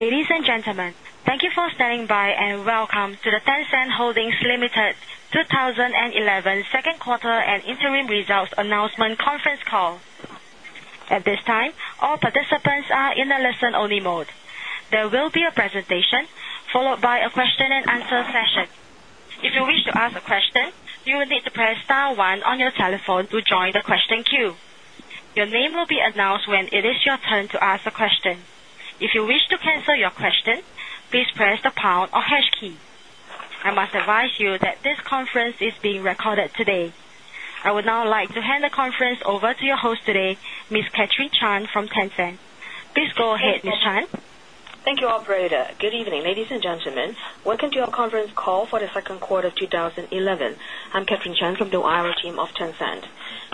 Ladies and gentlemen, thank you for standing by and welcome to the Tencent Holdings Limited 2011 Second Quarter and Interim Results Announcement Conference Call. At this time, all participants are in the listen-only mode. There will be a presentation followed by a question and answer session. If you wish to ask a question, you will need to press * one on your telephone to join the question queue. Your name will be announced when it is your turn to ask a question. If you wish to cancel your question, please press the pound or hash key. I must advise you that this conference is being recorded today. I would now like to hand the conference over to your host today, Ms. Catherine Chan from Tencent. Please go ahead, Ms. Chan. Thank you, operator. Good evening, ladies and gentlemen. Welcome to our conference call for the second quarter of 2011. I'm Catherine Chan from the IR team of Tencent.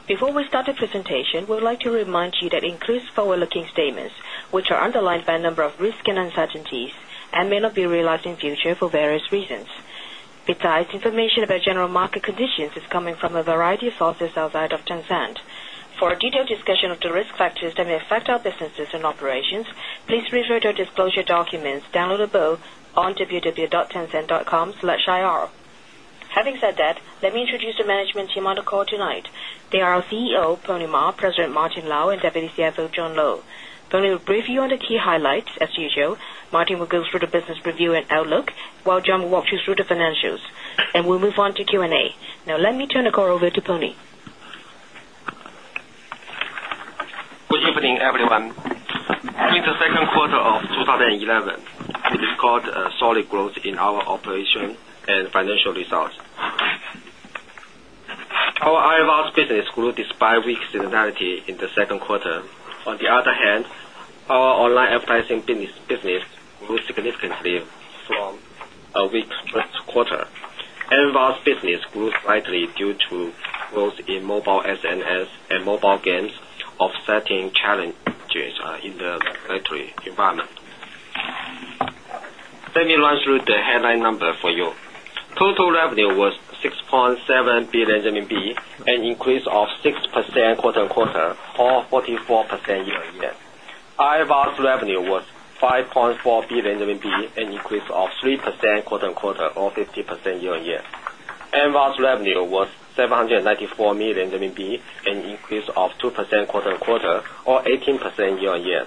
Before we start the presentation, we would like to remind you that inclusive forward-looking statements, which are underlined by a number of risks and uncertainties, may not be realized in the future for various reasons. Besides, information about general market conditions is coming from a variety of sources outside of Tencent. For a detailed discussion of the risk factors that may affect our businesses and operations, please read through the disclosure documents downloadable on www.tencent.com/ir. Having said that, let me introduce the management team on the call tonight. They are our CEO, Pony Ma, President Martin Lau, and Deputy CFO John Lo. Pony will brief you on the key highlights, as usual. Martin will go through the business review and outlook, while John will walk you through the financials. We will move on to Q&A. Now, let me turn the call over to Pony. Good evening, everyone. We're in the second quarter of 2011. It is called a solid growth in our operation and financial results. Our IVAS business grew despite weak seasonality in the second quarter. On the other hand, our online advertising business grew significantly from a weak first quarter. MVAS business grew slightly due to growth in mobile SNS and mobile games offsetting challenges in the factory environment. Let me run through the headline numbers for you. Total revenue was 6.7 billion RMB, an increase of 6% quarter-on-quarter, or 44% year-on-year. IVAS revenue was 5.4 billion RMB, an increase of 3% quarter-on-quarter, or 50% year-on-year. MVAS revenue was 794 million RMB, an increase of 2% quarter-on-quarter, or 18% year-on-year.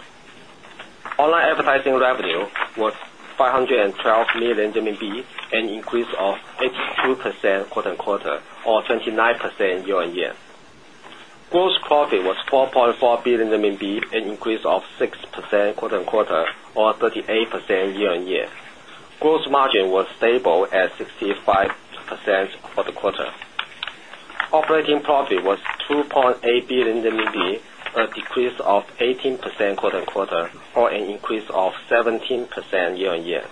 Online advertising revenue was 512 million RMB, an increase of 82% quarter-on-quarter, or 29% year-on-year. Gross profit was 4.4 billion RMB, an increase of 6% quarter-on-quarter, or 38% year-on-year. Gross margin was stable at 65% for the quarter. Operating profit was 2.8 billion, a decrease of 18% quarter-on-quarter, for an increase of 17% year-on-year.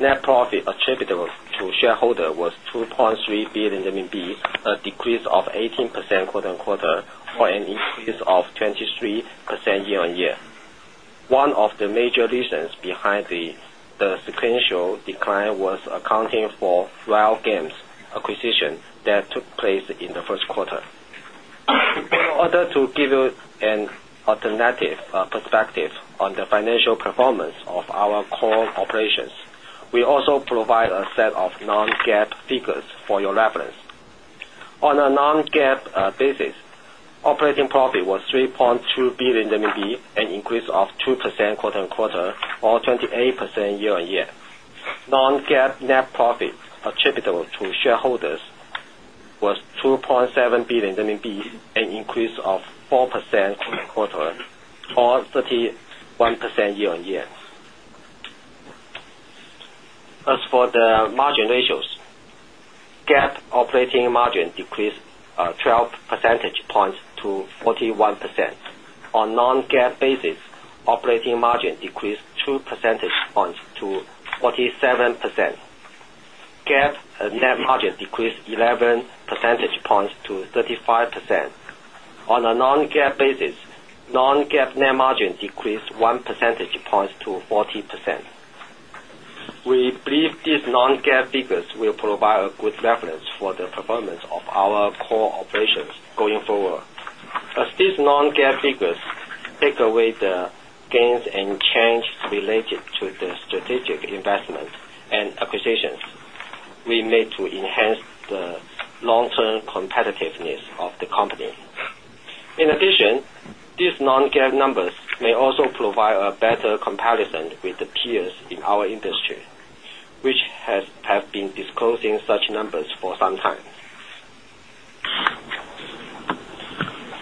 Net profit attributable to shareholders was 2.3 billion RMB, a decrease of 18% quarter-on-quarter, for an increase of 23% year-on-year. One of the major reasons behind the sequential decline was accounting for Riot Games acquisition that took place in the first quarter. In order to give you an alternative perspective on the financial performance of our core operations, we also provide a set of non-GAAP figures for your reference. On a non-GAAP basis, operating profit was 3.2 billion RMB, an increase of 2% quarter-on-quarter, or 28% year-on-year. Non-GAAP net profit attributable to shareholders was 2.7 billion, an increase of 4% quarter-on-quarter, or 31% year-on-year. As for the margin ratios, GAAP operating margin decreased 12 percentage points to 41%. On a non-GAAP basis, operating margin decreased 2 percentage points to 47%. GAAP net margin decreased 11 percentage points to 35%. On a non-GAAP basis, non-GAAP net margin decreased 1 percentage point to 40%. We believe these non-GAAP figures will provide a good reference for the performance of our core operations going forward. As these non-GAAP figures take away the gains and change related to the strategic investment and acquisitions, we need to enhance the long-term competitiveness of the company. In addition, these non-GAAP numbers may also provide a better comparison with the peers in our industry, which have been disclosing such numbers for some time.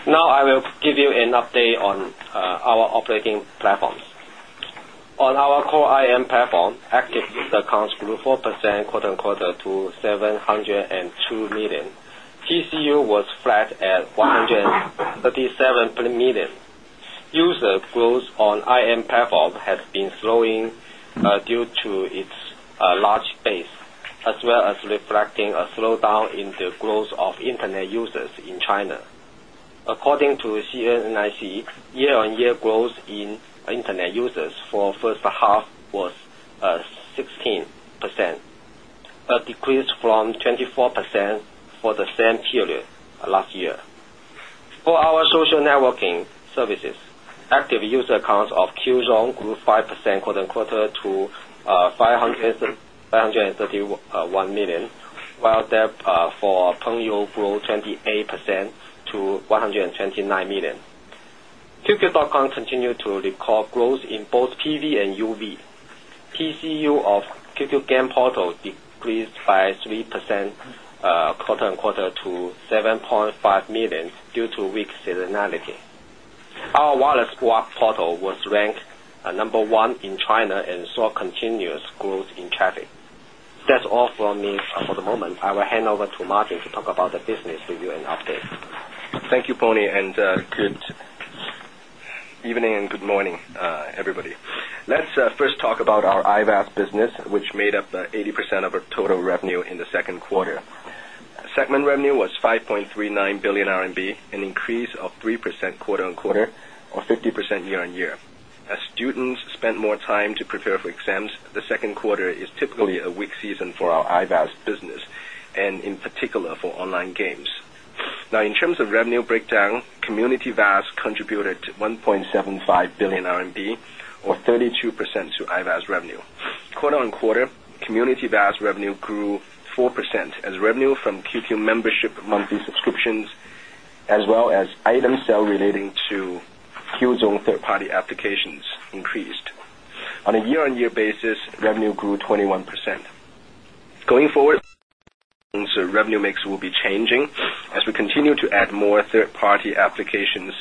Now, I will give you an update on our operating platforms. On our core IM platform, active user accounts grew 4% quarter-on-quarter to 702 million. CCU was flat at 137 million. User growth on IM platform has been slowing due to its large base, as well as reflecting a slowdown in the growth of internet users in China. According to CNNIC, year-on-year growth in internet users for the first half was 16%, a decrease from 24% for the same period last year. For our social networking services, active user accounts of Qzone grew 5% quarter-on-quarter to 531 million, while that for Pengyou grew 28% to 129 million. QQ.com continued to record growth in both TV and UV. TCU of QQ Game Portal decreased by 3% quarter-on-quarter to 7.5 million due to weak seasonality. Our wireless portal was ranked number one in China and saw continuous growth in traffic. That's all from me for the moment. I will hand over to Martin to talk about the business review and updates. Thank you, Pony, and good evening and good morning, everybody. Let's first talk about our IVAS business, which made up 80% of our total revenue in the second quarter. Segment revenue was 5.39 billion RMB, an increase of 3% quarter-on-quarter, or 50% year-on-year. As students spend more time to prepare for exams, the second quarter is typically a weak season for our IVAS business, and in particular for online games. In terms of revenue breakdown, Community VAS contributed 1.75 billion RMB, or 32% to IVAS revenue. Quarter-on-quarter, community VAS revenue grew 4%, as revenue from QQ Membership monthly subscriptions, as well as item sales relating to Qzone third-party applications, increased. On a year-on-year basis, revenue grew 21%. Going forward, the revenue mix will be changing as we continue to add more third-party applications,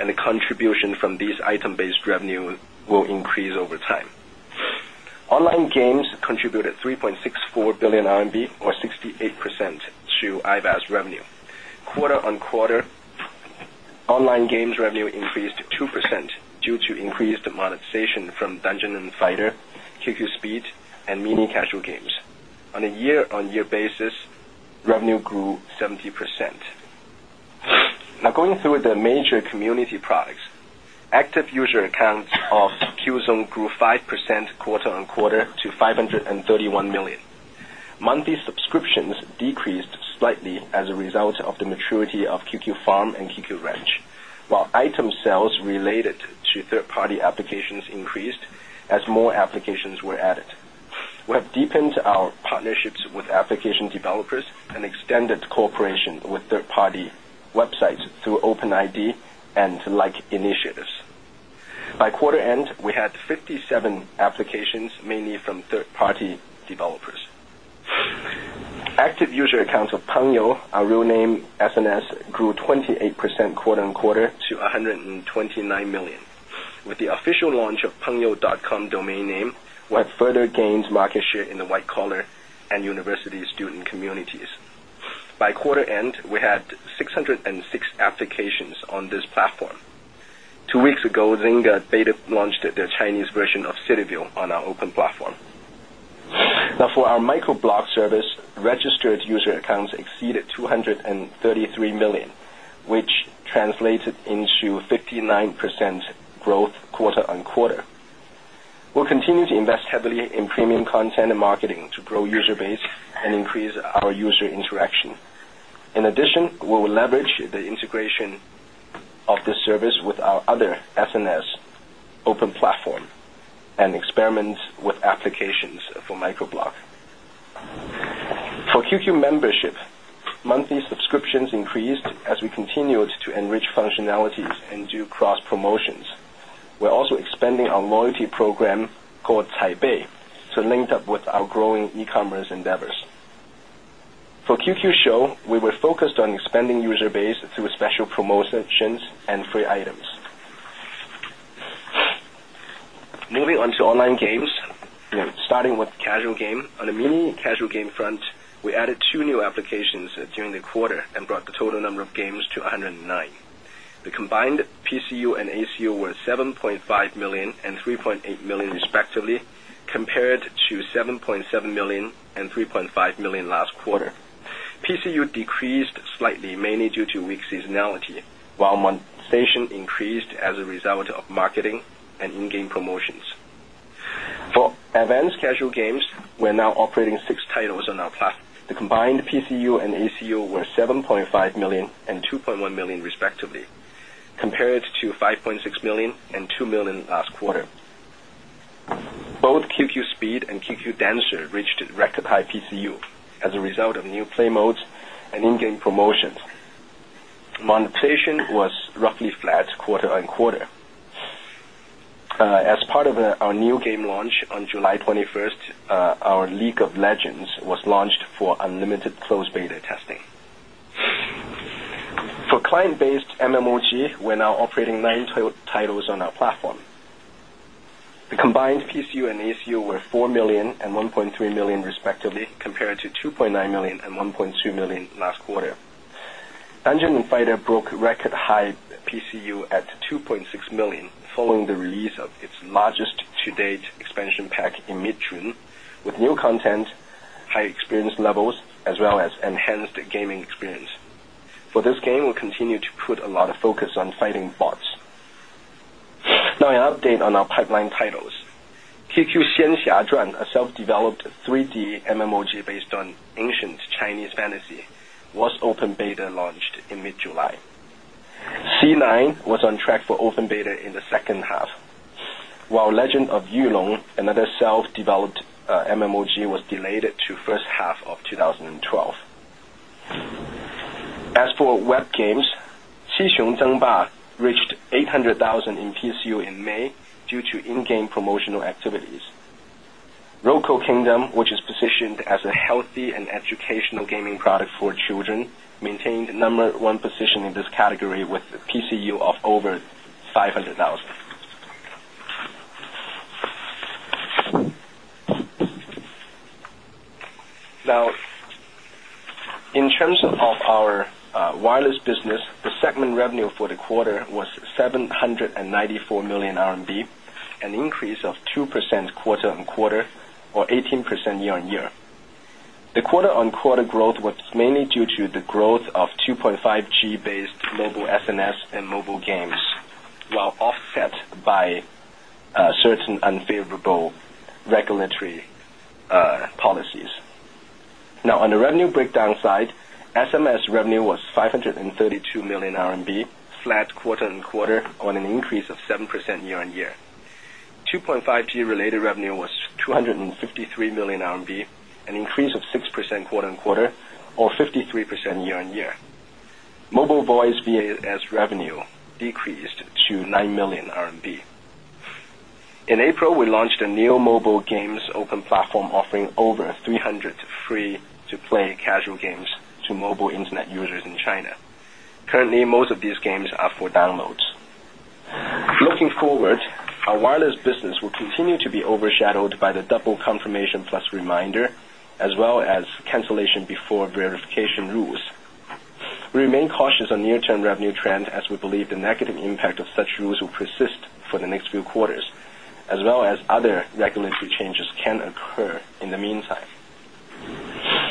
and the contribution from these item-based revenue will increase over time. Online games contributed 3.64 billion RMB, or 68% to IVAS revenue. Quarter-on-quarter, online games revenue increased 2% due to increased monetization from Dungeon & Fighter, QQ Speed, and mini casual games. On a year-on-year basis, revenue grew 70%. Going through the major community products, active user accounts of Qzone grew 5% quarter-on-quarter to 531 million. Monthly subscriptions decreased slightly as a result of the maturity of QQ Farm and QQ Ranch, while item sales related to third-party applications increased as more applications were added. We have deepened our partnerships with application developers and extended cooperation with third-party websites through OpenID and similar initiatives. By quarter end, we had 57 applications mainly from third-party developers. Active user accounts of Pengyou, our real-name SNS, grew 28% quarter-on-quarter to 129 million. With the official launch of the Pengyou.com domain name, we have further gained market share in the white-collar and university student communities. By quarter end, we had 606 applications on this platform. Two weeks ago, Zynga Beta launched the Chinese version of CityVille on our open platform. For our microblog service, registered user accounts exceeded 233 million, which translated into 59% growth quarter-on-quarter. We'll continue to invest heavily in premium content and marketing to grow user base and increase our user interaction. In addition, we will leverage the integration of this service with our other SNS open platform and experiment with applications for microblog. For QQ Membership, monthly subscriptions increased as we continued to enrich functionalities and do cross-promotions. We're also expanding our loyalty program called Pengyou to link up with our growing e-commerce endeavors. For QQ Show, we were focused on expanding user base through special promotions and free items. Moving on to online games, starting with the casual game, on the mini casual game front, we added two new applications during the quarter and brought the total number of games to 109. The combined PCU and ACU were 7.5 million and 3.8 million, respectively, compared to 7.7 million and 3.5 million last quarter. PCU decreased slightly, mainly due to weak seasonality, while monetization increased as a result of marketing and in-game promotions. For advanced casual games, we're now operating six titles on our platform. The combined PCU and ACU were 7.5 million and 2.1 million, respectively, compared to 5.6 million and 2 million last quarter. Both QQ Speed and QQ Dancer reached a record high PCU as a result of new play modes and in-game promotions. Monetization was roughly flat quarter-on-quarter. As part of our new game launch on July 21st, our League of Legends was launched for unlimited closed beta testing. For client-based MMOG, we're now operating nine titles on our platform. The combined PCU and ACU were 4 million and 1.3 million, respectively, compared to 2.9 million and 1.2 million last quarter. Dungeon and Fighter broke record high PCU at 2.6 million following the release of its largest to-date expansion pack in mid-June, with new content, high experience levels, as well as enhanced gaming experience. For this game, we'll continue to put a lot of focus on fighting bots. Now, an update on our pipeline titles. QQ Xian Xia Zhuan, a self-developed 3D MMOG based on ancient Chinese fantasy, was open beta launched in mid-July. C9 was on track for open beta in the second half, while Legend of Yulong, another self-developed MMOG, was delayed to the first half of 2012. As for web games, Qi Xiong Zheng Ba reached 800,000 in PCU in May due to in-game promotional activities. Roku Kingdom, which is positioned as a healthy and educational gaming product for children, maintained the number one position in this category with a PCU of over 500,000. Now, in terms of our wireless business, the segment revenue for the quarter was 794 million RMB, an increase of 2% quarter-on-quarter, or 18% year-on-year. The quarter-on-quarter growth was mainly due to the growth of 2.5G-based global SNS and mobile games, while offset by certain unfavorable regulatory policies. Now, on the revenue breakdown side, SMS revenue was 532 million RMB, flat quarter-on-quarter, on an increase of 7% year-on-year. 2.5G-related revenue was 253 million RMB, an increase of 6% quarter-on-quarter, or 53% year-on-year. Mobile (Voice) VAS revenue decreased to 9 million RMB. In April, we launched a new mobile games open platform offering over 300 free-to-play casual games to mobile internet users in China. Currently, most of these games are for downloads. Looking forward, our wireless business will continue to be overshadowed by the double confirmation plus reminder, as well as cancellation before verification rules. We remain cautious on the near-term revenue trend, as we believe the negative impact of such rules will persist for the next few quarters, as well as other regulatory changes can occur in the meantime.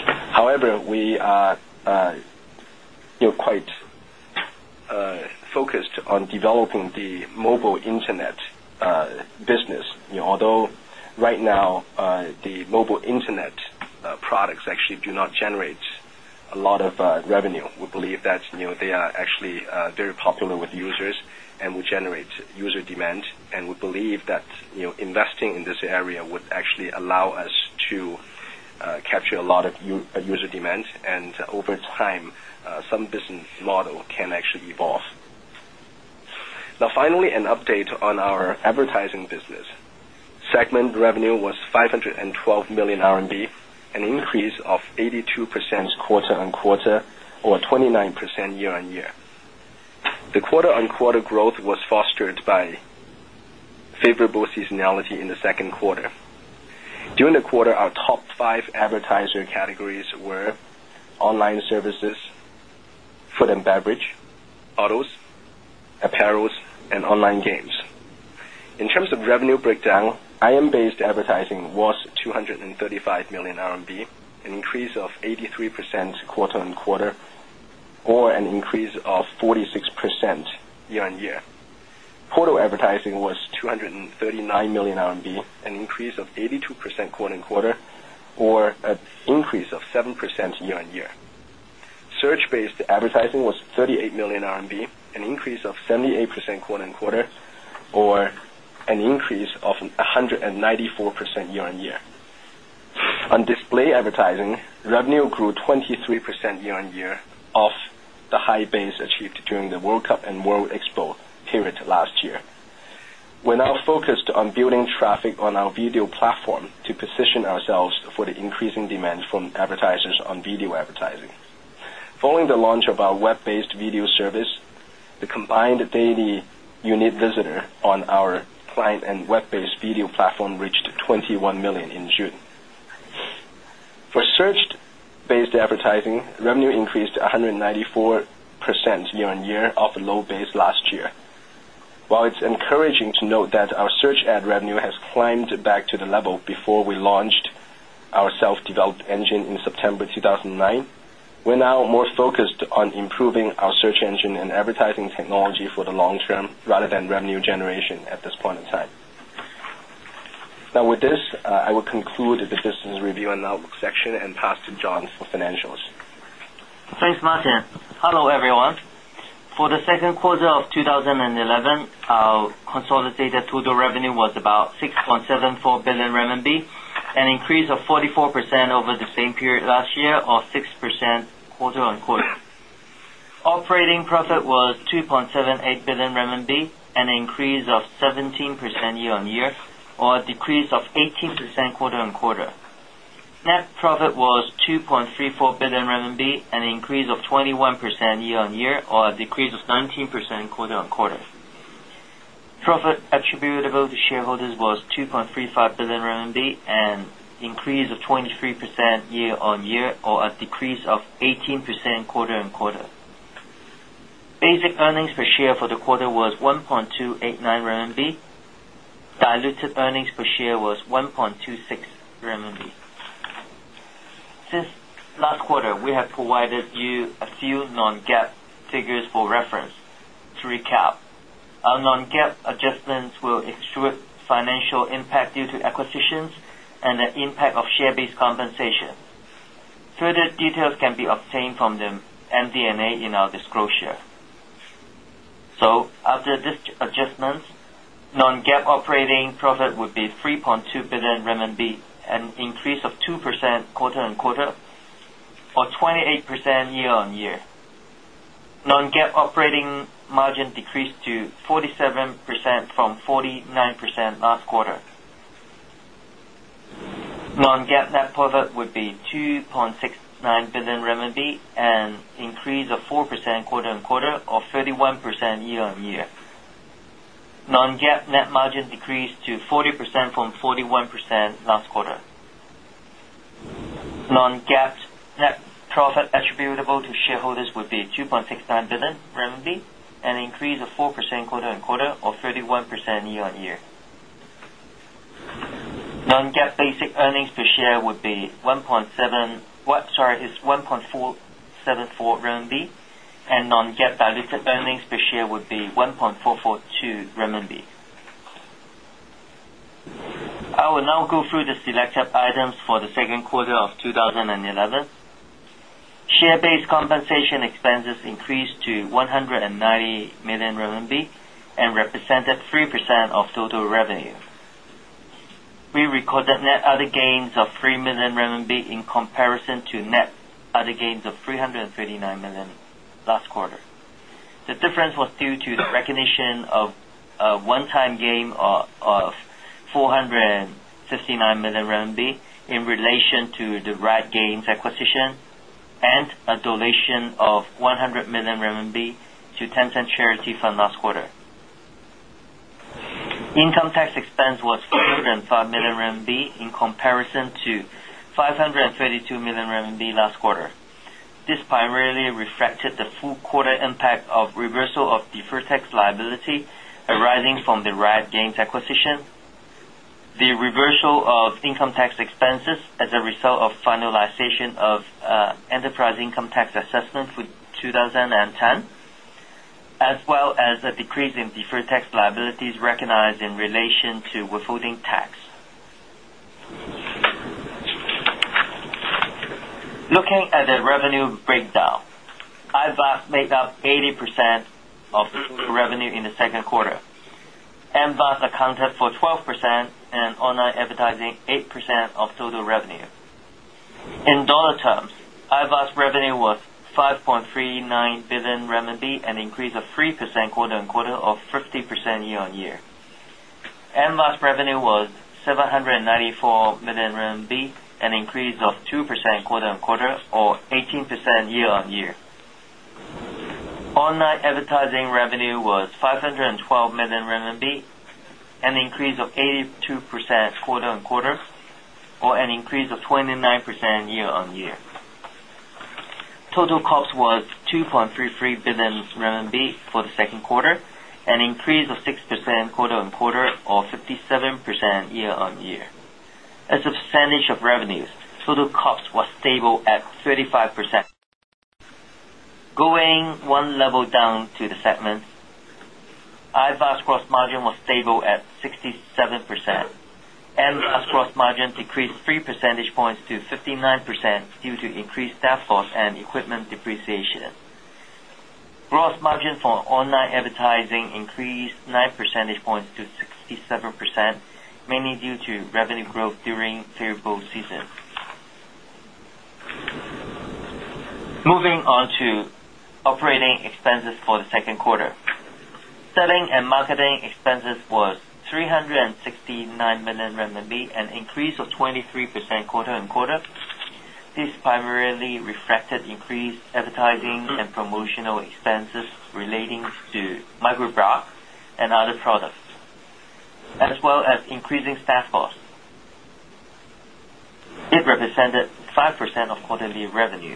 However, we are quite focused on developing the mobile internet business. Although right now, the mobile internet products actually do not generate a lot of revenue, we believe that they are actually very popular with users and will generate user demand. We believe that investing in this area would actually allow us to capture a lot of user demand. Over time, some business model can actually evolve. Now, finally, an update on our advertising business. Segment revenue was 512 million RMB, an increase of 82% quarter-on-quarter, or 29% year-on-year. The quarter-on-quarter growth was fostered by favorable seasonality in the second quarter. During the quarter, our top five advertiser categories were online services, food and beverage, autos, apparels, and online games. In terms of revenue breakdown, IM-based advertising was 235 million RMB, an increase of 83% quarter-on-quarter, or an increase of 46% year-on-year. Portal advertising was 239 million RMB, an increase of 82% quarter-on-quarter, or an increase of 7% year-on-year. Search-based advertising was 38 million RMB, an increase of 78% quarter-on-quarter, or an increase of 194% year-on-year. On display advertising, revenue grew 23% year-on-year off the high base achieved during the World Cup and World Expo period last year. We're now focused on building traffic on our video platform to position ourselves for the increasing demand from advertisers on video advertising. Following the launch of our web-based video service, the combined daily unit visitor on our client and web-based video platform reached 21 million in June. For search-based advertising, revenue increased 194% year-on-year off a low base last year. While it's encouraging to note that our search ad revenue has climbed back to the level before we launched our self-developed engine in September 2009, we're now more focused on improving our search engine and advertising technology for the long term rather than revenue generation at this point in time. Now, with this, I will conclude the business review and outlook section and pass to John for financials. Thanks, Martin. Hello, everyone. For the second quarter of 2011, our consolidated total revenue was about 6.74 billion RMB, an increase of 44% over the same period last year, or 6% quarter-on-quarter. Operating profit was 2.78 billion RMB, an increase of 17% year-on-year, or a decrease of 18% quarter-on-quarter. Net profit was 2.34 billion RMB, an increase of 21% year-on-year, or a decrease of 19% quarter-on-quarter. Profit attributable to shareholders was 2.35 billion RMB, an increase of 23% year-on-year, or a decrease of 18% quarter-on-quarter. Basic earnings per share for the quarter was 1.289 RMB. Diluted earnings per share was 1.26 RMB. Since last quarter, we have provided you a few non-GAAP figures for reference. To recap, our non-GAAP adjustments will exclude financial impact due to acquisitions and the impact of share-based compensation. Further details can be obtained from the MD&A in our disclosure. After this adjustment, non-GAAP operating profit would be 3.2 billion RMB, an increase of 2% quarter-on-quarter, or 28% year-on-year. Non-GAAP operating margin decreased to 47% from 49% last quarter. Non-GAAP net profit would be 2.69 billion RMB, an increase of 4% quarter-on-quarter, or 31% year-on-year. Non-GAAP net margin decreased to 40% from 41% last quarter. Non-GAAP net profit attributable to shareholders would be 2.69 billion RMB, an increase of 4% quarter-on-quarter, or 31% year-on-year. Non-GAAP basic earnings per share would be 1.474 RMB. Non-GAAP diluted earnings per share would be 1.442 RMB. I will now go through the selected items for the second quarter of 2011. Share-based compensation expenses increased to 109 million RMB and represented 3% of total revenue. We recorded net other gains of 3 million RMB in comparison to net other gains of 339 million last quarter. The difference was due to the recognition of a one-time gain of 459 million RMB in relation to the Riot Games acquisition and a donation of 100 million RMB to Tencent Charity Fund last quarter. Income tax expense was 405 million RMB in comparison to 522 million RMB last quarter. This primarily reflected the full quarter impact of reversal of deferred tax liability arising from the Riot Games acquisition, the reversal of income tax expenses as a result of finalization of enterprise income tax assessment for 2010, as well as a decrease in deferred tax liabilities recognized in relation to withholding tax. Looking at the revenue breakdown, IVAS made up 80% of the total revenue in the second quarter. MVAS accounted for 12% and online advertising 8% of total revenue. In dollar terms, IVAS revenue was 5.39 billion RMB, an increase of 3% quarter-on-quarter, or 50% year-on-year. MVAS revenue was 794 million RMB, an increase of 2% quarter-on-quarter, or 18% year-on-year. Online advertising revenue was 512 million RMB, an increase of 82% quarter-on-quarter, or an increase of 29% year-on-year. Total cost was 2.33 billion RMB for the second quarter, an increase of 6% quarter-on-quarter, or 57% year-on-year. As a percentage of revenues, total cost was stable at 35%. Going one level down to the segments, IVAS gross margin was stable at 67%. MVAS gross margin decreased 3 percentage points to 59% due to increased staff cost and equipment depreciation. Gross margin for online advertising increased 9 percentage points to 67%, mainly due to revenue growth during favorable seasons. Moving on to operating expenses for the second quarter, selling and marketing expenses were 369 million RMB, an increase of 23% quarter-on-quarter. This primarily reflected increased advertising and promotional expenses relating to microblog and other products, as well as increasing staff cost. It represented 5% of quarterly revenue.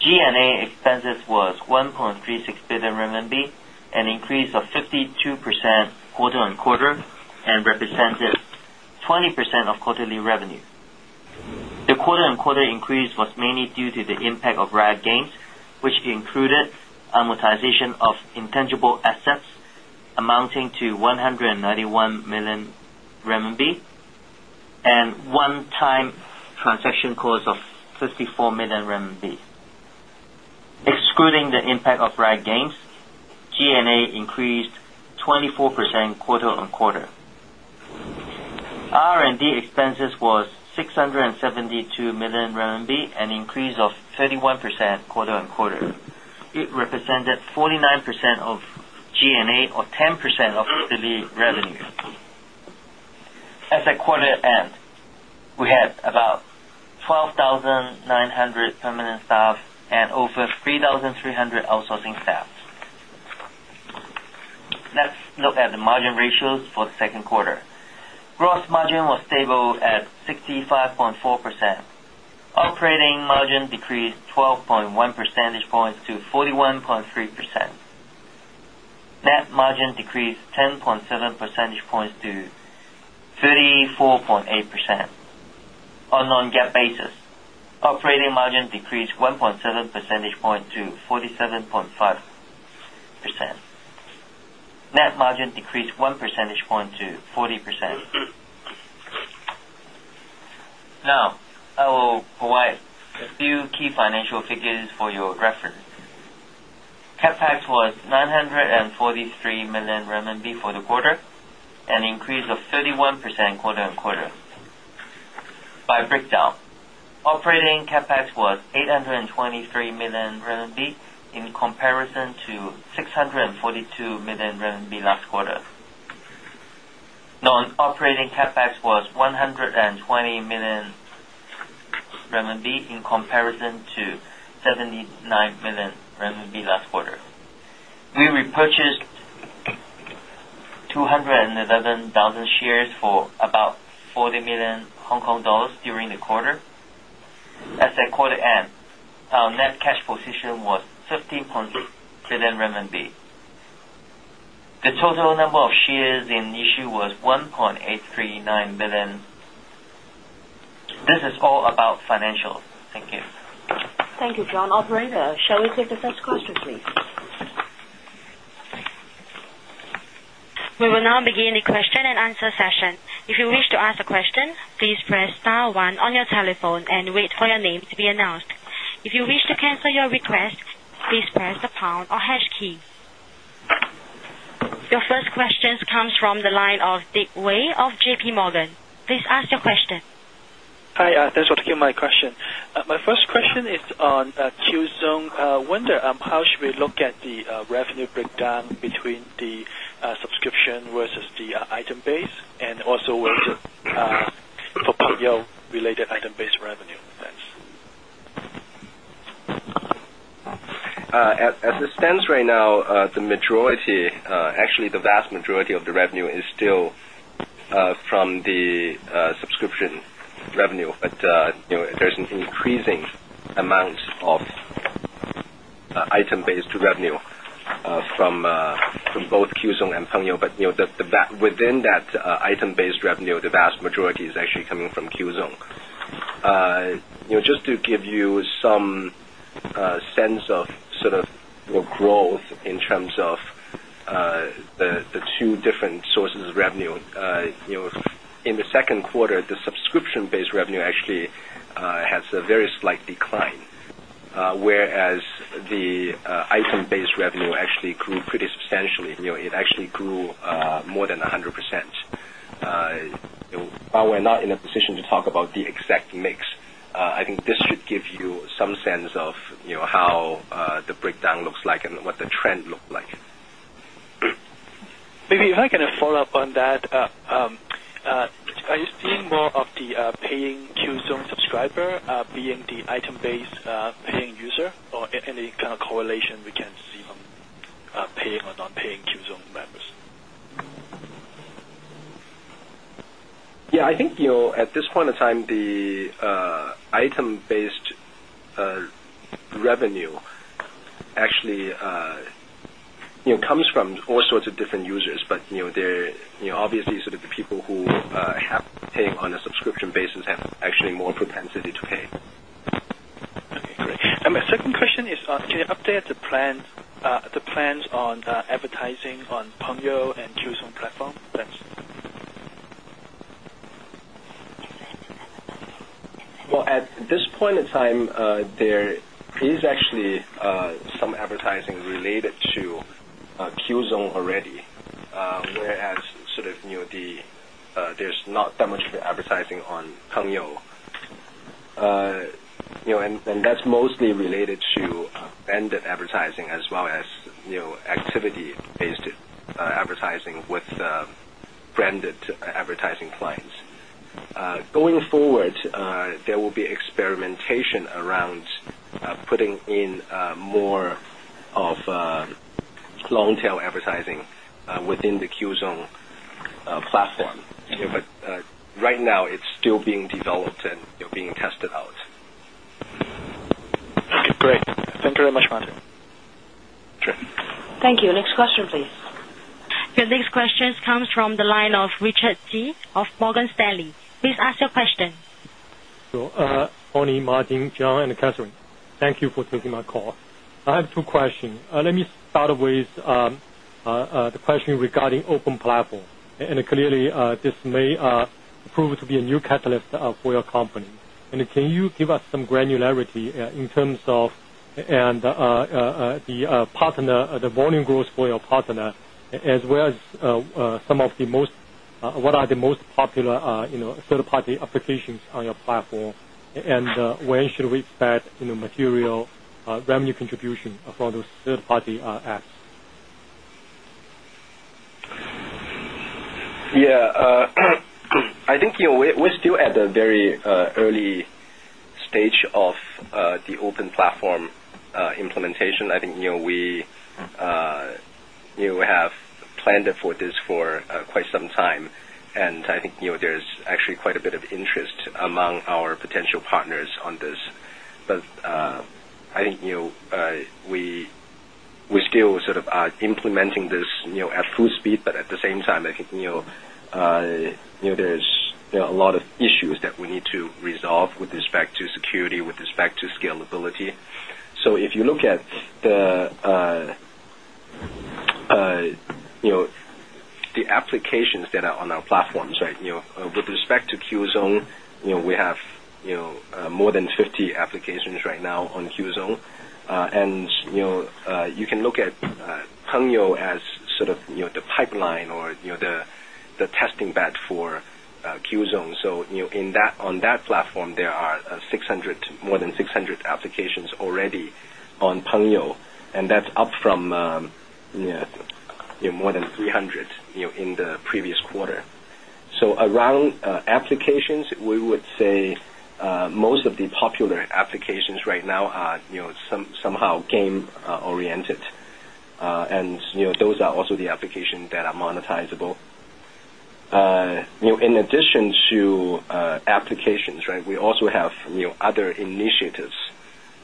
G&A expenses were 1.36 billion RMB, an increase of 52% quarter-on-quarter, and represented 20% of quarterly revenue. The quarter-on-quarter increase was mainly due to the impact of right gains, which included amortization of intangible assets amounting to 191 million RMB and one-time transaction cost of 54 million RMB. Excluding the impact of right gains, G&A increased 24% quarter-on-quarter. R&D expenses were 672 million RMB, an increase of 31% quarter-on-quarter. It represented 49% of G&A or 10% of quarterly revenue. As of quarter end, we had about 12,900 permanent staff and over 3,300 outsourcing staff. Let's look at the margin ratios for the second quarter. Gross margin was stable at 65.4%. Operating margin decreased 12.1 percentage points to 41.3%. Net margin decreased 10.7 percentage points to 34.8%. On a non-GAAP basis, operating margin decreased 1.7 percentage points to 47.5%. Net margin decreased 1 percentage point to 40%. Now, I will provide a few key financial figures for your reference. CapEx was 943 million RMB for the quarter, an increase of 31% quarter-on-quarter. By breakdown, operating CapEx was 823 million RMB in comparison to 642 million RMB last quarter. Non-operating CapEx was 120 million RMB in comparison to 79 million RMB last quarter. We repurchased 211,000 shares for about 40 million Hong Kong dollars during the quarter. As of quarter end, our net cash position was 15.6 billion renminbi. The total number of shares in issue was 1.839 billion. This is all about financials. Thank you. Thank you, John. Operator, shall we take the first question, please? We will now begin the question and answer session. If you wish to ask a question, please press * one on your telephone and wait for your name to be announced. If you wish to cancel your request, please press the pound or hash key. Your first question comes from the line of Vic Wei of JPMorgan. Please ask your question. Hi. Thanks for taking my question. My first question is on Qzone. I wonder how should we look at the revenue breakdown between the subscription versus the item-based and also whether or partly on related item-based revenue? As it stands right now, the majority, actually the vast majority of the revenue is still from the subscription revenue. There's an increasing amount of item-based revenue from both Qzone and Pengyou. Within that item-based revenue, the vast majority is actually coming from Qzone. Just to give you some sense of growth in terms of the two different sources of revenue, in the second quarter, the subscription-based revenue actually has a very slight decline, whereas the item-based revenue actually grew pretty substantially. It actually grew more than 100%. We're not in a position to talk about the exact mix. I think this should give you some sense of how the breakdown looks like and what the trend looks like. Maybe if I can follow up on that, are you seeing more of the paying Qzone subscriber being the item-based paying user, or any kind of correlation we can see on paying or non-paying Qzone members? Yeah, I think at this point in time, the item-based revenue actually comes from all sorts of different users. They're obviously sort of the people who have paying on a subscription basis have actually more propensity to pay. Okay, great. My second question is, update the plans on advertising on Pengyou and Qzone platform? At this point in time, there is actually some advertising related to Qzone already, whereas there's not that much of advertising on Pengyou. That's mostly related to branded advertising as well as activity-based advertising with branded advertising clients. Going forward, there will be experimentation around putting in more of long-tail advertising within the Qzone platform. Right now, it's still being developed and being tested out. Okay, great. Thank you very much, Martin. Sure. Thank you. Next question, please. Your next question comes from the line of Richard T. of Morgan Stanley. Please ask your question. Pony, Martin, John, and Catherine, thank you for taking my call. I have two questions. Let me start with the question regarding open platform. This may prove to be a new catalyst for your company. Can you give us some granularity in terms of the partner, the volume growth for your partner, as well as what are the most popular third-party applications on your platform? When should we expect material revenue contribution from those third-party apps? Yeah, I think we're still at the very early stage of the open platform implementation. I think we have planned for this for quite some time. I think there's actually quite a bit of interest among our potential partners on this. We still are implementing this at full speed. At the same time, I think there's a lot of issues that we need to resolve with respect to security and scalability. If you look at the applications that are on our platforms, with respect to Qzone, we have more than 50 applications right now on Qzone. You can look at Pengyou as sort of the pipeline or the testing bed for Qzone. On that platform, there are more than 600 applications already on Pengyou, and that's up from more than 300 in the previous quarter. Around applications, we would say most of the popular applications right now are somehow game-oriented, and those are also the applications that are monetizable. In addition to applications, we also have other initiatives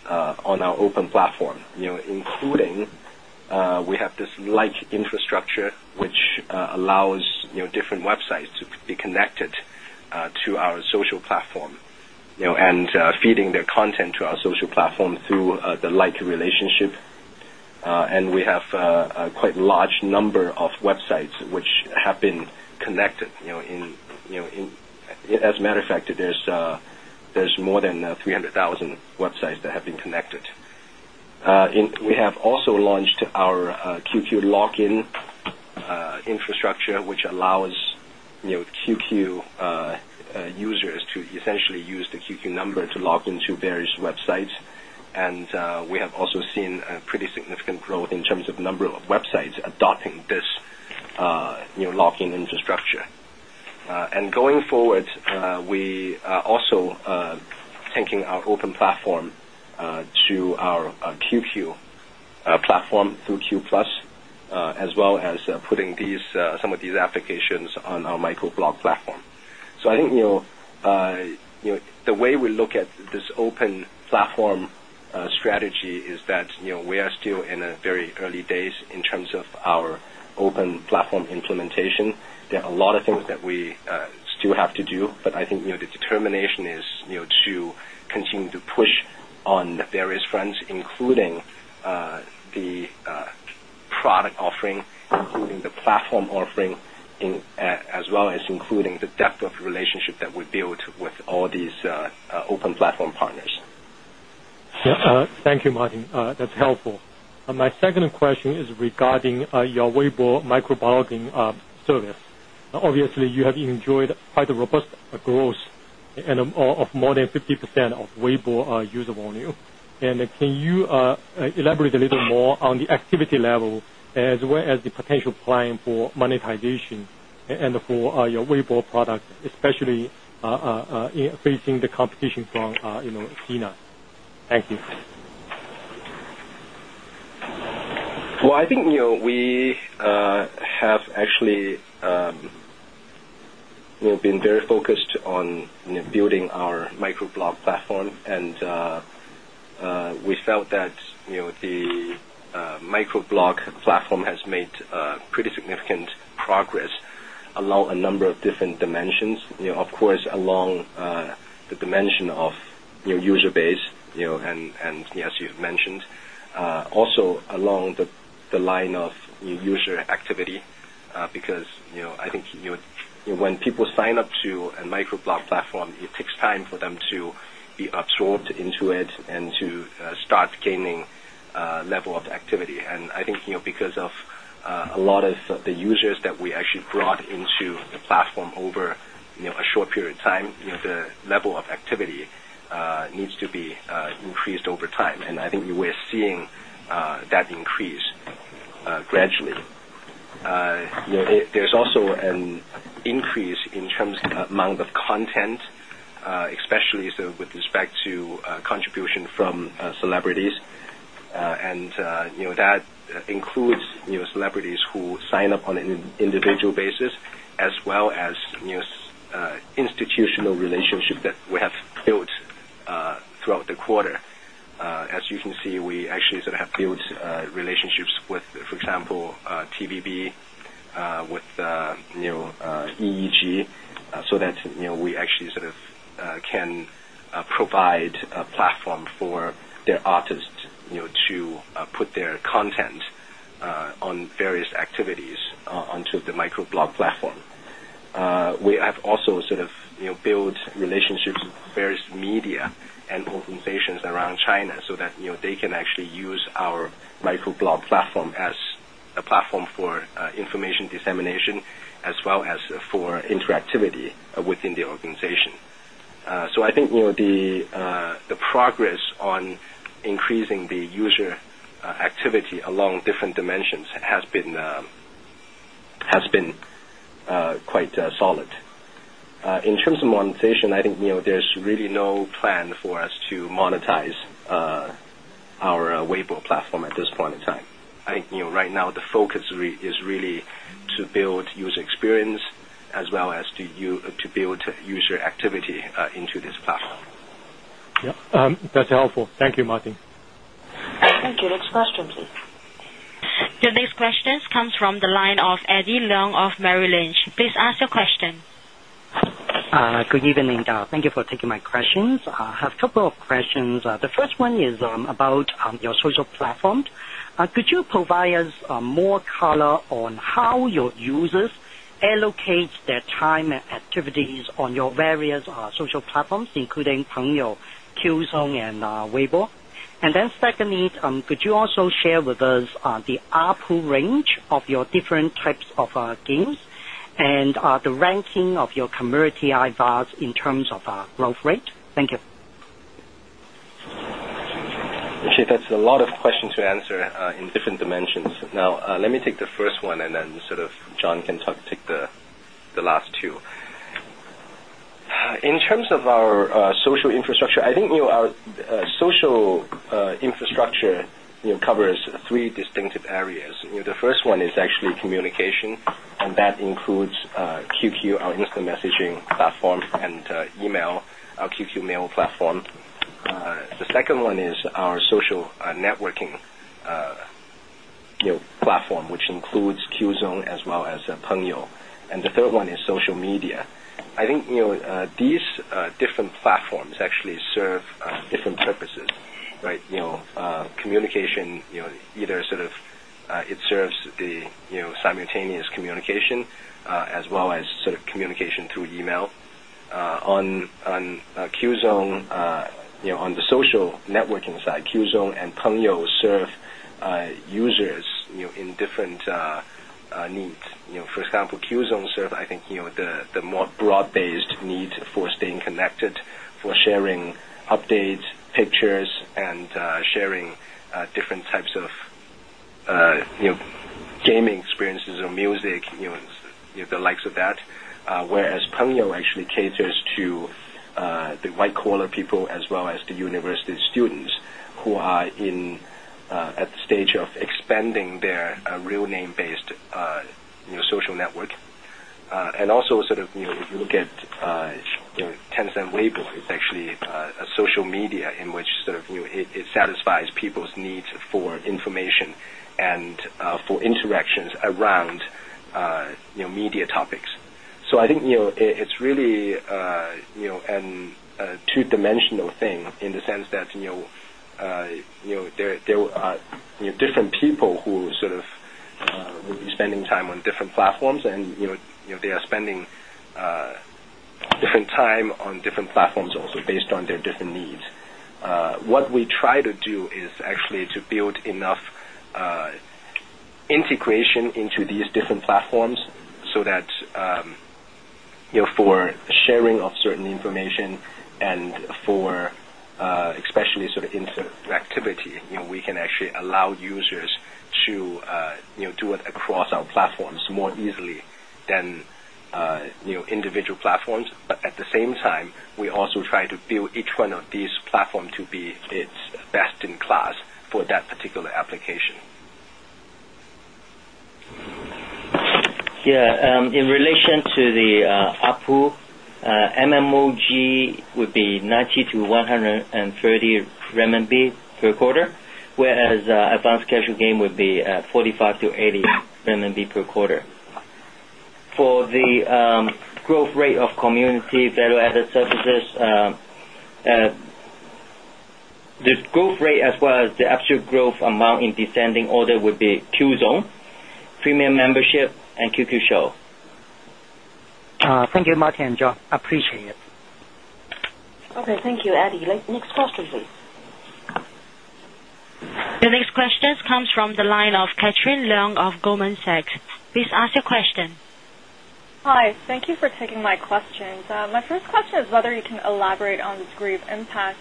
on our open platform, including this infrastructure, which allows different websites to be connected to our social platform and feeding their content to our social platform through the like relationship. We have quite a large number of websites which have been connected. As a matter of fact, there's more than 300,000 websites that have been connected. We have also launched our QQ login infrastructure, which allows QQ users to essentially use the QQ number to log into various websites. We have also seen a pretty significant growth in terms of the number of websites adopting this login infrastructure. Going forward, we are also taking our open platform to our QQ platform through Q+, as well as putting some of these applications on our microblog platform. I think the way we look at this open platform strategy is that we are still in the very early days in terms of our open platform implementation. There are a lot of things that we still have to do. I think the determination is to continue to push on various fronts, including the product offering, the platform offering, as well as the depth of relationship that we build with all these open platform partners. Thank you, Martin. That's helpful. My second question is regarding your Weibo microblogging service. Obviously, you have enjoyed quite a robust growth of more than 50% of Weibo user volume. Can you elaborate a little more on the activity level, as well as the potential plan for monetization and for your Weibo product, especially facing the competition from Sina? Thank you. I think we have actually been very focused on building our microblog platform. We felt that the microblog platform has made pretty significant progress along a number of different dimensions, of course, along the dimension of user base, and as you mentioned, also along the line of user activity. I think when people sign up to a microblog platform, it takes time for them to be absorbed into it and to start gaining a level of activity. I think because of a lot of the users that we actually brought into the platform over a short period of time, the level of activity needs to be increased over time. I think we're seeing that increase gradually. There's also an increase in terms of the amount of content, especially with respect to contribution from celebrities. That includes celebrities who sign up on an individual basis, as well as institutional relationships that we have built throughout the quarter. As you can see, we actually sort of have built relationships with, for example, (TBB), with EEG, so that we actually sort of can provide a platform for their artists to put their content and various activities onto the microblog platform. We have also sort of built relationships with various media and organizations around China so that they can actually use our microblog platform as a platform for information dissemination, as well as for interactivity within the organization. I think the progress on increasing the user activity along different dimensions has been quite solid. In terms of monetization, I think there's really no plan for us to monetize our Weibo platform at this point in time. I think right now the focus is really to build user experience, as well as to build user activity into this platform. Yeah, that's helpful. Thank you, Martin. Thank you. Next question, please. Your next question comes from the line of Eddie Leung of Merrill Lynch. Please ask your question. Good evening. Thank you for taking my questions. I have a couple of questions. The first one is about your social platform. Could you provide us more color on how your users allocate their time and activities on your various social platforms, including Pengyou, Qzone, and Weibo? Could you also share with us the ARPU range of your different types of games and the ranking of your community IVAS in terms of growth rate? Thank you. Actually, that's a lot of questions to answer in different dimensions. Now, let me take the first one, and then John can take the last two. In terms of our social infrastructure, I think our social infrastructure covers three distinctive areas. The first one is actually communication, and that includes QQ, our instant messaging platform, and email, our QQ Mail platform. The second one is our social networking platform, which includes Qzone as well as Pengyou. The third one is social media. I think these different platforms actually serve different purposes, right? Communication, either it serves the simultaneous communication, as well as communication through email. On Qzone, on the social networking side, Qzone and Pengyou serve users in different needs. For example, Qzone serves, I think, the more broad-based need for staying connected, for sharing updates, pictures, and sharing different types of gaming experiences or music, the likes of that. Whereas Pengyou actually caters to the white-collar people, as well as the university students who are at the stage of expanding their real-name-based social network. Also, if you look at Tencent Weibo, it's actually a social media in which it satisfies people's needs for information and for interactions around media topics. I think it's really a two-dimensional thing in the sense that there are different people who will be spending time on different platforms, and they are spending different time on different platforms also based on their different needs. What we try to do is actually to build enough integration into these different platforms so that for sharing of certain information and for especially interactivity, we can actually allow users to do it across our platforms more easily than individual platforms. At the same time, we also try to build each one of these platforms to be its best-in-class for that particular application. Yeah, in relation to the ARPU, MMOG would be 90-130 renminbi per quarter, whereas advanced casual game would be 45-80 renminbi per quarter. For the growth rate of community value-added services, the growth rate as well as the absolute growth amount in descending order would be Qzone, premium membership, and QQ Show. Thank you, Martin and John. I appreciate it. Okay, thank you, Eddie. Next question, please. Your next question comes from the line of Catherine Leung of Goldman Sachs. Please ask your question. Hi. Thank you for taking my questions. My first question is whether you can elaborate on the degree of impact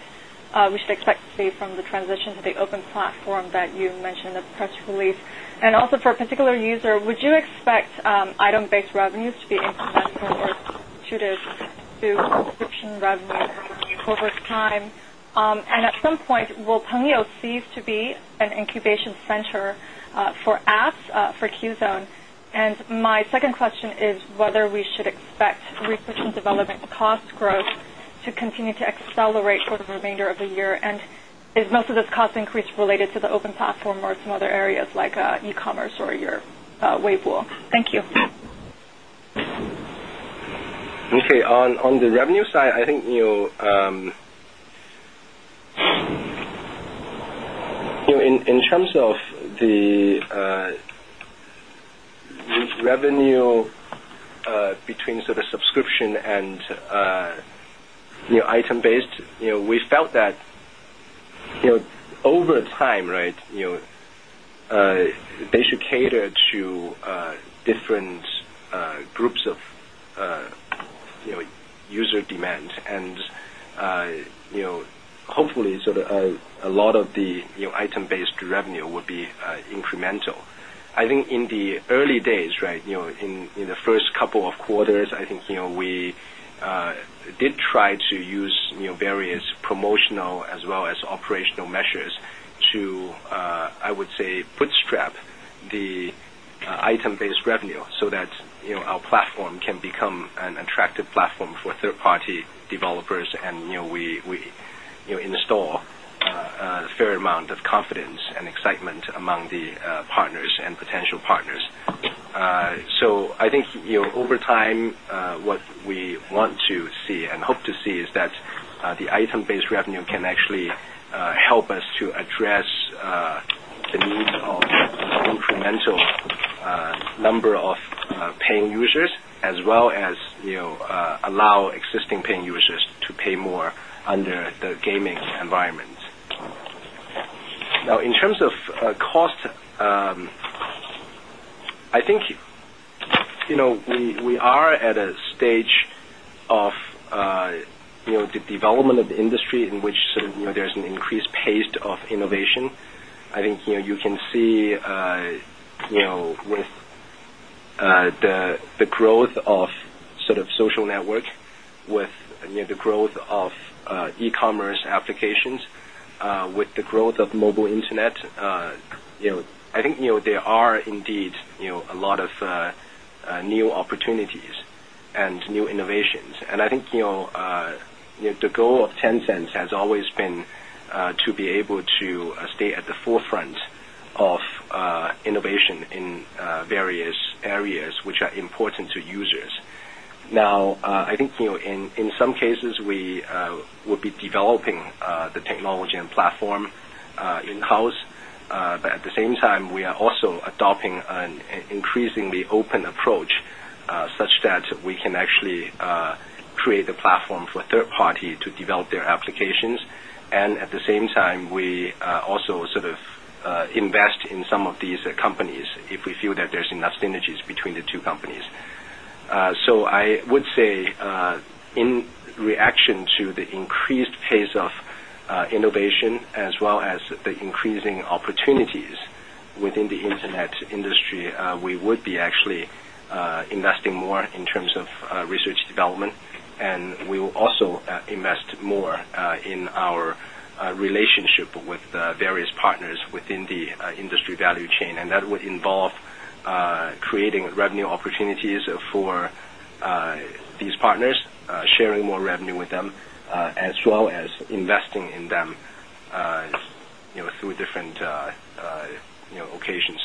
we should expect to see from the transition to the open platform that you mentioned in the press release. Also, for a particular user, would you expect item-based revenues to be in-person or to the subscription revenue over time? At some point, will Pengyou cease to be an incubation center for apps for Qzone? My second question is whether we should expect resistant development cost growth to continue to accelerate for the remainder of the year. Is most of this cost increase related to the open platform or some other areas like e-commerce or your Weibo? Thank you. Okay. On the revenue side, I think in terms of the revenue between sort of subscription and item-based, we felt that over time, right, they should cater to different groups of user demands. Hopefully, a lot of the item-based revenue would be incremental. I think in the early days, in the first couple of quarters, we did try to use various promotional as well as operational measures to, I would say, bootstrap the item-based revenue so that our platform can become an attractive platform for third-party developers. We install a fair amount of confidence and excitement among the partners and potential partners. Over time, what we want to see and hope to see is that the item-based revenue can actually help us to address the needs of an incremental number of paying users, as well as allow existing paying users to pay more under the gaming environment. Now, in terms of cost, we are at a stage of the development of the industry in which there's an increased pace of innovation. You can see with the growth of social network, with the growth of e-commerce applications, with the growth of mobile internet, there are indeed a lot of new opportunities and new innovations. The goal of Tencent has always been to be able to stay at the forefront of innovation in various areas which are important to users. In some cases, we would be developing the technology and platform in-house. At the same time, we are also adopting an increasingly open approach such that we can actually create a platform for third parties to develop their applications. At the same time, we also invest in some of these companies if we feel that there's enough synergies between the two companies. In reaction to the increased pace of innovation, as well as the increasing opportunities within the internet industry, we would be actually investing more in terms of research development. We will also invest more in our relationship with the various partners within the industry value chain. That would involve creating revenue opportunities for these partners, sharing more revenue with them, as well as investing in them through different occasions.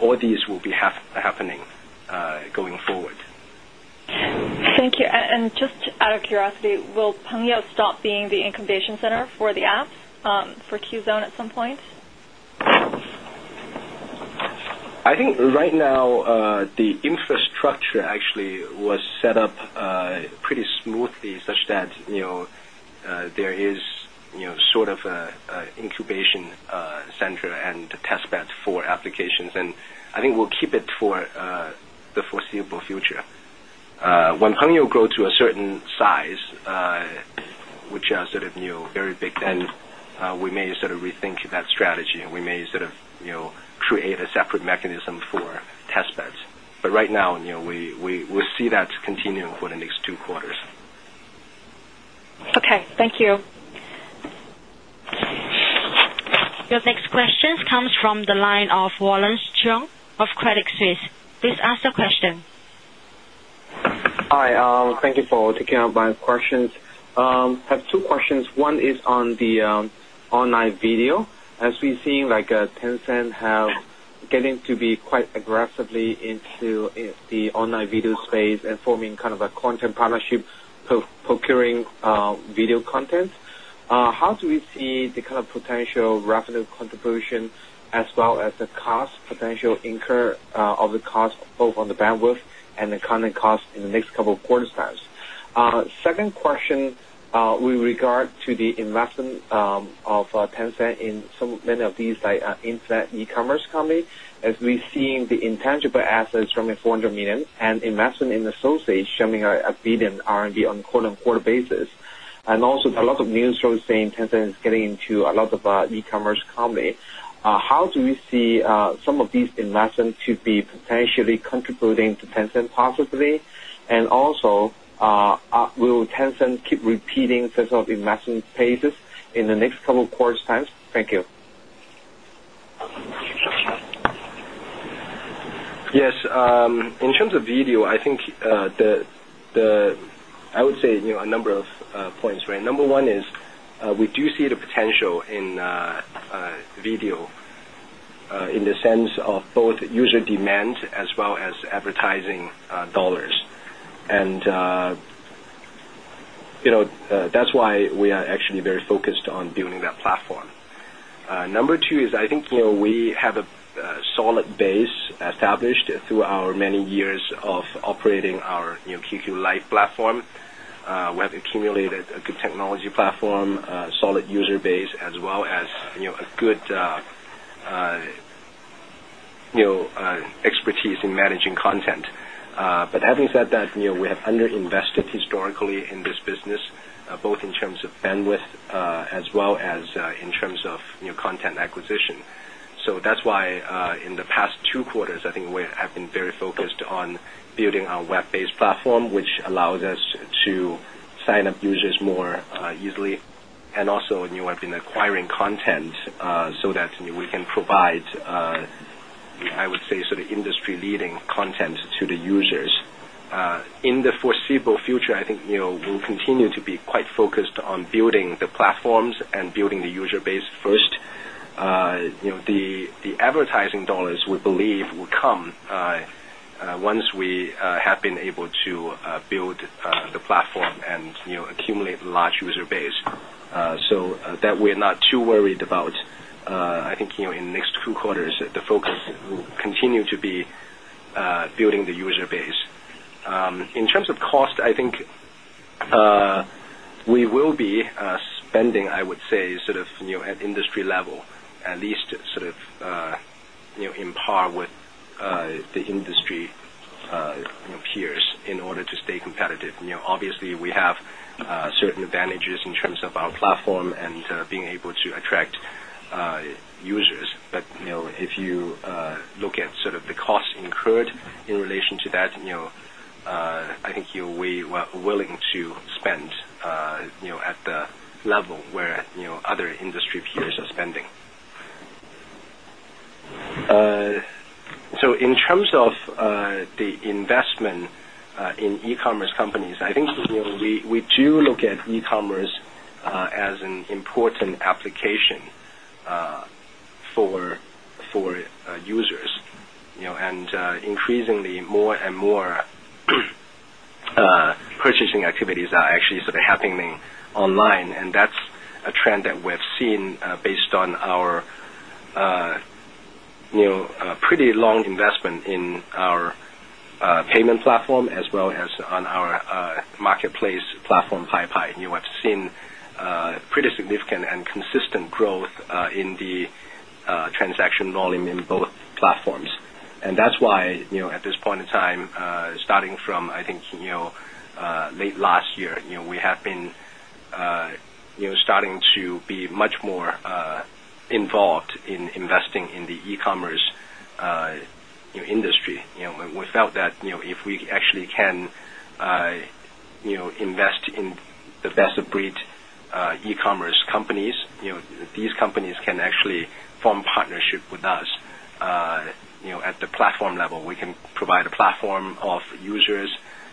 All these will be happening going forward. Thank you. Just out of curiosity, will Pengyou stop being the incubation center for the apps for Qzone at some point? I think right now, the infrastructure actually was set up pretty smoothly, such that there is sort of an incubation center and testbed for applications. I think we'll keep it for the foreseeable future. When Pengyou grows to a certain size, which are sort of very big, we may sort of rethink that strategy. We may sort of create a separate mechanism for testbeds. Right now, we will see that continuing for the next two quarters. Okay, thank you. Your next question comes from the line of (Warren Young of Credit Suisse. Please ask your question. Hi. Thank you for taking up my questions. I have two questions. One is on the online video. As we've seen, Tencent is getting to be quite aggressively into the online video space and forming kind of a content partnership for procuring video content. How do we see the kind of potential revenue contribution, as well as the cost potential incurred of the cost of both on the bandwidth and the current cost in the next couple of quarters? Second question with regard to the investment of Tencent in so many of these internet e-commerce companies, as we've seen the intangible assets dropping 400 million and investment in associates jumping at 1 billion RMB on a quarter-on-quarter basis. Also, there are a lot of news sources saying Tencent is getting into a lot of e-commerce companies. How do we see some of these investments to be potentially contributing to Tencent positively? Also, will Tencent keep repeating some sort of investment phases in the next couple of quarters' time? Thank you. Yes. In terms of video, I think I would say a number of points, right? Number one is we do see the potential in video in the sense of both user demand as well as advertising dollars. That's why we are actually very focused on building that platform. Number two is I think we have a solid base established through our many years of operating our QQ Live platform. We have accumulated a good technology platform, a solid user base, as well as good expertise in managing content. Having said that, we have underinvested historically in this business, both in terms of bandwidth as well as in terms of content acquisition. That's why in the past two quarters, I think we have been very focused on building our web-based platform, which allows us to sign up users more easily. Also, we have been acquiring content so that we can provide, I would say, sort of industry-leading content to the users. In the foreseeable future, I think we'll continue to be quite focused on building the platforms and building the user base first. The advertising dollars, we believe, will come once we have been able to build the platform and accumulate a large user base. We're not too worried about that. I think in the next two quarters, the focus will continue to be building the user base. In terms of cost, I think we will be spending, I would say, sort of at industry level, at least sort of in par with the industry peers in order to stay competitive. Obviously, we have certain advantages in terms of our platform and being able to attract users. If you look at sort of the costs incurred in relation to that, I think we are willing to spend at the level where other industry peers are spending. In terms of the investment in e-commerce companies, I think we do look at e-commerce as an important application for users. Increasingly, more and more purchasing activities are actually sort of happening online. That's a trend that we have seen based on our pretty long investment in our payment platform, as well as on our marketplace platform, BeiBei. We've seen pretty significant and consistent growth in the transaction volume in both platforms. That's why at this point in time, starting from, I think, late last year, we have been starting to be much more involved in investing in the e-commerce industry. We felt that if we actually can invest in the best-of-breed e-commerce companies, these companies can actually form partnerships with us. At the platform level, we can provide a platform of users,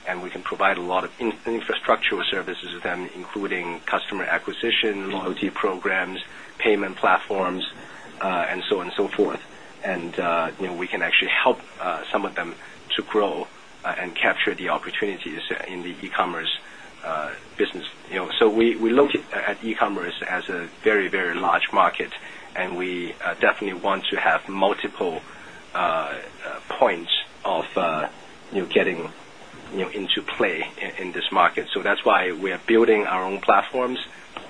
and we can provide a lot of infrastructural services to them, including customer acquisition, loyalty programs, payment platforms, and so on and so forth. We can actually help some of them to grow and capture the opportunities in the e-commerce business. We look at e-commerce as a very, very large market. We definitely want to have multiple points of getting into play in this market. That is why we are building our own platforms,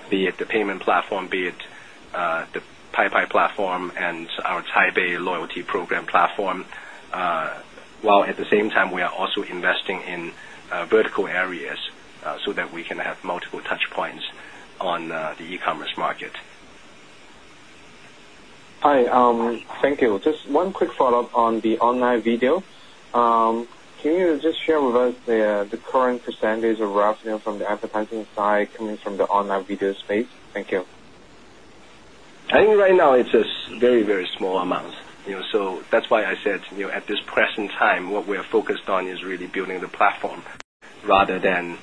be it the payment platform, be it the BeiBei platform, and our Taipei loyalty program platform. At the same time, we are also investing in vertical areas so that we can have multiple touchpoints on the e-commerce market. Hi. Thank you. Just one quick follow-up on the online video. Can you just share with us the current percentage of revenue from the advertising side coming from the online video space? Thank you. I think right now it's just very, very small amounts. That's why I said at this present time, what we are focused on is really building the platform rather than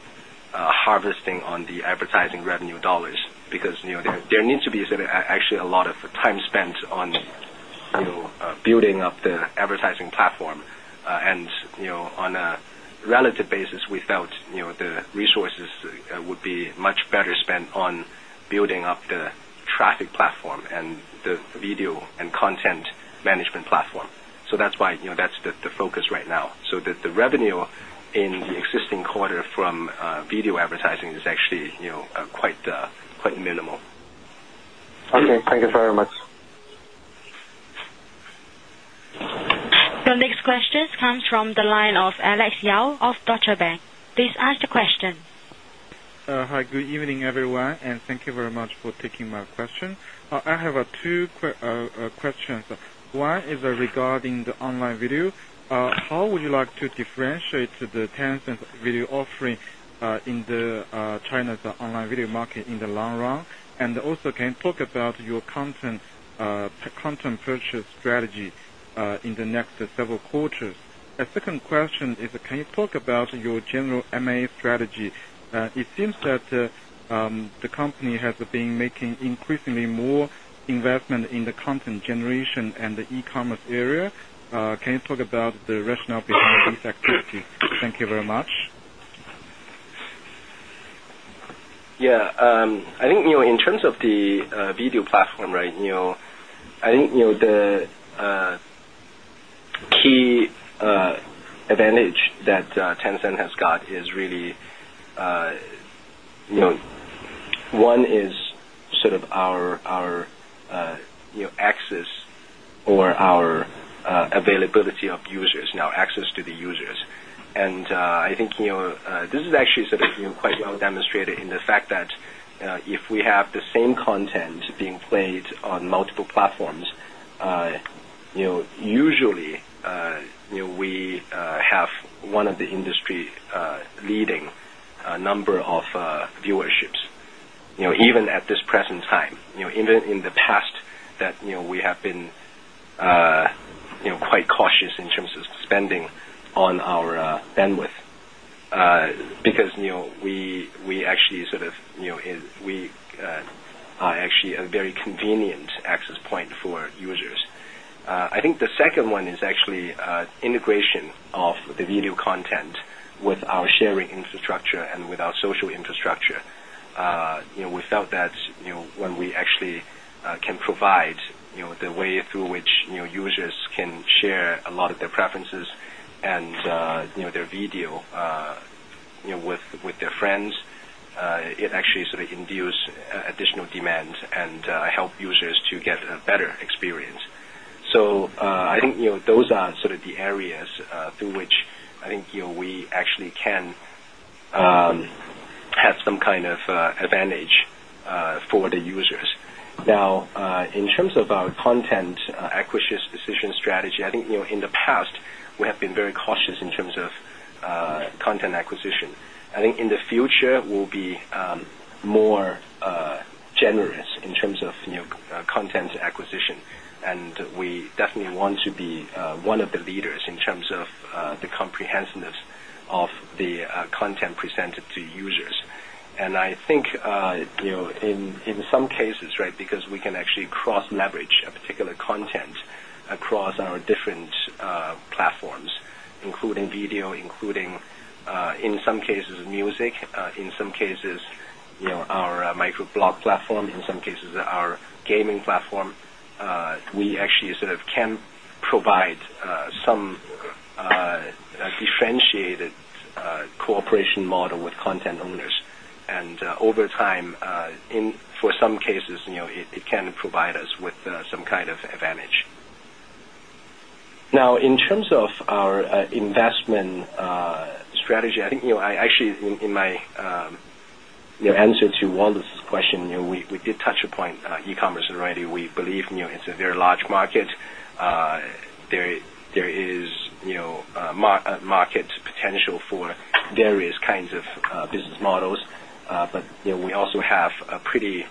harvesting on the advertising revenue dollars. There needs to be actually a lot of time spent on building up the advertising platform. On a relative basis, we felt the resources would be much better spent on building up the traffic platform and the video and content management platform. That's why that's the focus right now. The revenue in the existing quarter from video advertising is actually quite minimal. Okay, thank you very much. Your next question comes from the line of Alex Yao of Deutsche Bank. Please ask your question. Hi. Good evening, everyone. Thank you very much for taking my question. I have two questions. One is regarding the online video. How would you like to differentiate the Tencent Video offering in China's online video market in the long run? Also, can you talk about your content purchase strategy in the next several quarters? A second question is, can you talk about your general M&A strategy? It seems that the company has been making increasingly more investment in the content generation and the e-commerce area. Can you talk about the rationale behind this activity? Thank you very much. Yeah, I think in terms of the video platform, I think the key advantage that Tencent has got is really one is our access or our availability of users, our access to the users. I think this is actually quite well demonstrated in the fact that if we have the same content being played on multiple platforms, usually we have one of the industry-leading number of viewerships. Even at this present time, even in the past, we have been quite cautious in terms of spending on our bandwidth because we actually are a very convenient access point for users. I think the second one is integration of the video content with our sharing infrastructure and with our social infrastructure. We felt that when we can provide the way through which users can share a lot of their preferences and their video with their friends, it actually induces additional demand and helps users to get a better experience. I think those are the areas through which I think we can have some kind of advantage for the users. Now, in terms of our content acquisition strategy, I think in the past, we have been very cautious in terms of content acquisition. I think in the future, we'll be more generous in terms of content acquisition. We definitely want to be one of the leaders in terms of the comprehensiveness of the content presented to users. I think in some cases, because we can cross-leverage a particular content across our different platforms, including video, including, in some cases, music, in some cases, our microblog platform, in some cases, our gaming platform, we can provide some differentiated cooperation model with content owners. Over time, for some cases, it can provide us with some kind of advantage. Now, in terms of our investment strategy, I think in my answer to Wendy's question, we did touch upon e-commerce already. We believe it's a very large market. There is market potential for various kinds of business models. We also have a pretty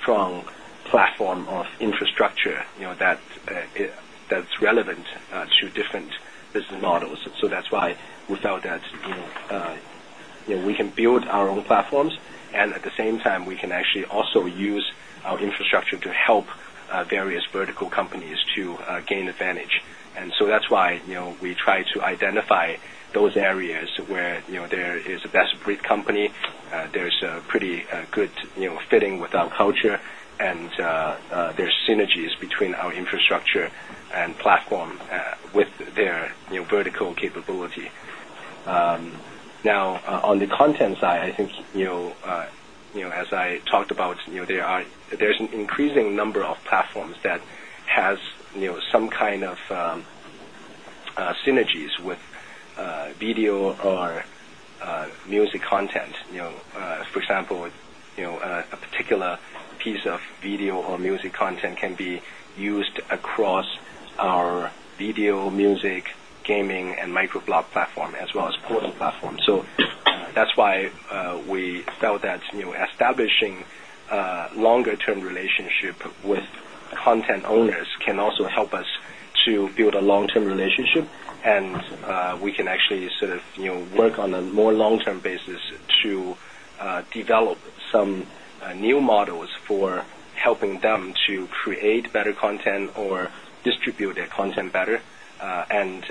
strong platform of infrastructure that's relevant to different business models. That's why we felt that we can build our own platforms. At the same time, we can also use our infrastructure to help various vertical companies to gain advantage. That's why we try to identify those areas where there is a best-of-breed company. There's a pretty good fitting with our culture. There are synergies between our infrastructure and platform with their vertical capability. On the content side, as I talked about, there's an increasing number of platforms that have some kind of synergies with video or music content. For example, a particular piece of video or music content can be used across our video, music, gaming, and microblog platform, as well as portal platform. That is why we felt that establishing a longer-term relationship with content owners can also help us to build a long-term relationship. We can actually work on a more long-term basis to develop some new models for helping them to create better content or distribute their content better and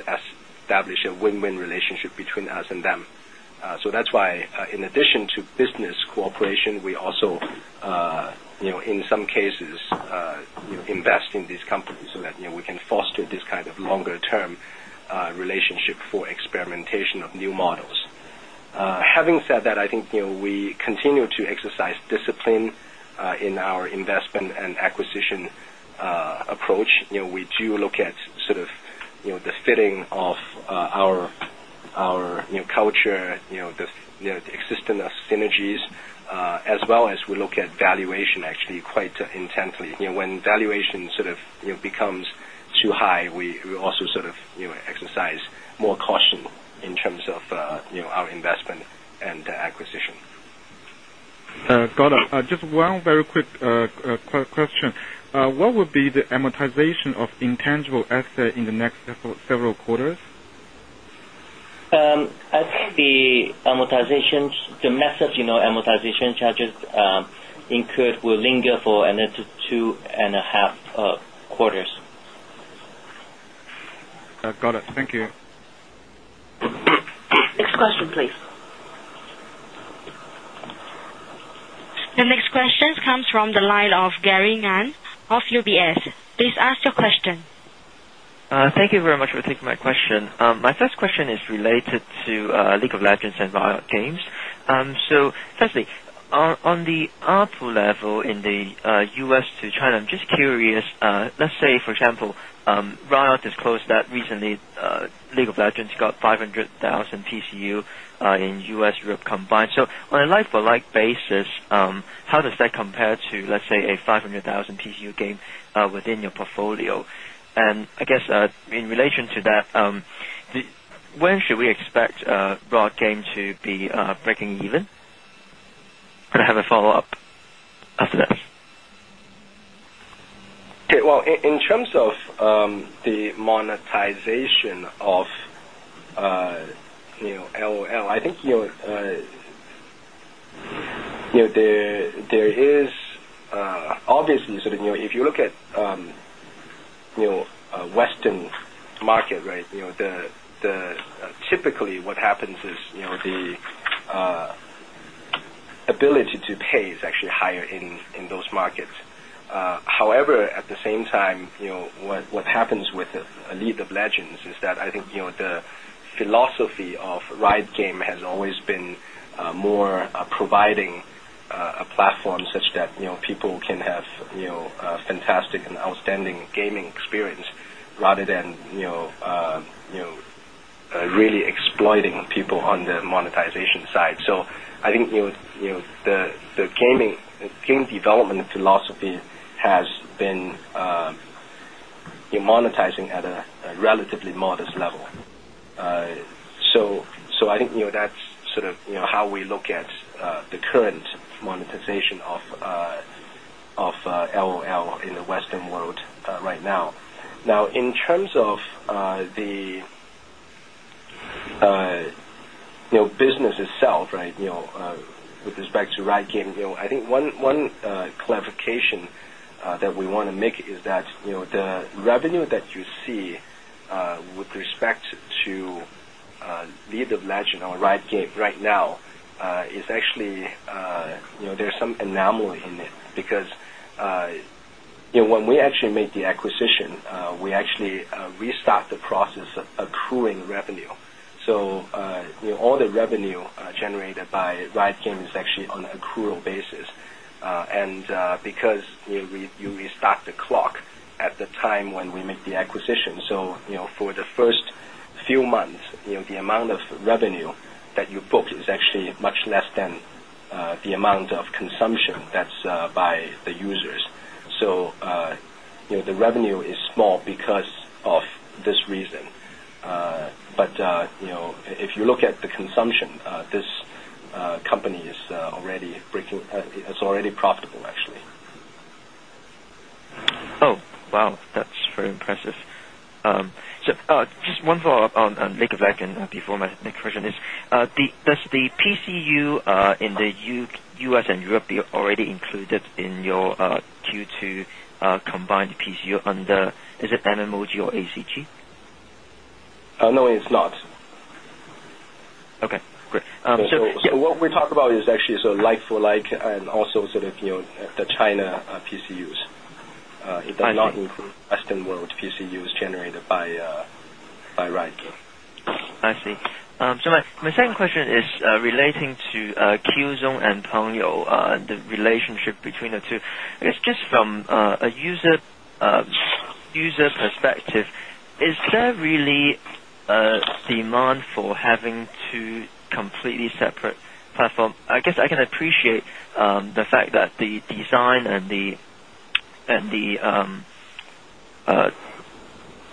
establish a win-win relationship between us and them. In addition to business cooperation, we also, in some cases, invest in these companies so that we can foster this kind of longer-term relationship for experimentation of new models. Having said that, we continue to exercise discipline in our investment and acquisition approach. We do look at the fitting of our culture, the existence of synergies, as well as we look at valuation actually quite intently. When valuation becomes too high, we also exercise more caution in terms of our investment and acquisition. Got it. Just one very quick question. What would be the amortization of intangible assets in the next several quarters? As the amortization, the methods you know, amortization charges incurred will linger for another two and a half quarters. Got it. Thank you. Next question, please. The next question comes from the line of Gary Ng of UBS. Please ask your question. Thank you very much for taking my question. My first question is related to League of Legends and Riot Games. Firstly, on the ARPU level in the U.S. to China, I'm just curious, for example, Riot disclosed that recently League of Legends got 500,000 TCU in U.S. and Europe combined. On a like-for-like basis, how does that compare to a 500,000 TCU game within your portfolio? In relation to that, when should we expect Riot Games to be breaking even? I have a follow-up after that. Okay. In terms of the monetization of LoL, I think there is obviously sort of if you look at the Western market, right, typically what happens is the ability to pay is actually higher in those markets. However, at the same time, what happens with League of Legends is that I think the philosophy of Riot Games has always been more providing a platform such that people can have a fantastic and outstanding gaming experience rather than really exploiting people on the monetization side. I think the gaming team development philosophy has been monetizing at a relatively modest level. I think that's sort of how we look at the current monetization of LoL in the Western world right now. In terms of the business itself, with respect to Riot Games, I think one clarification that we want to make is that the revenue that you see with respect to League of Legends or Riot Games right now is actually there's some anomaly in it because when we actually make the acquisition, we actually restart the process of accruing revenue. All the revenue generated by Riot Games is actually on an accrual basis. Because you restart the clock at the time when we make the acquisition, for the first few months, the amount of revenue that you book is actually much less than the amount of consumption that's by the users. The revenue is small because of this reason. If you look at the consumption, this company is already breaking, it's already profitable, actually. Oh, wow. That's very impressive. Just one follow-up on League of Legends before my next question. Does the PCU in the U.S. and Europe already get included in your Q2 combined PCU, or is it under MMOG or ACG? No, it's not. Okay. Great. What we talk about is actually like for like and also, you know, the China PCUs. It does not include Western world PCUs generated by Riot Games. I see. My second question is relating to Qzone and Pengyou, the relationship between the two. I guess just from a user perspective, is there really demand for having two completely separate platforms? I can appreciate the fact that the design and the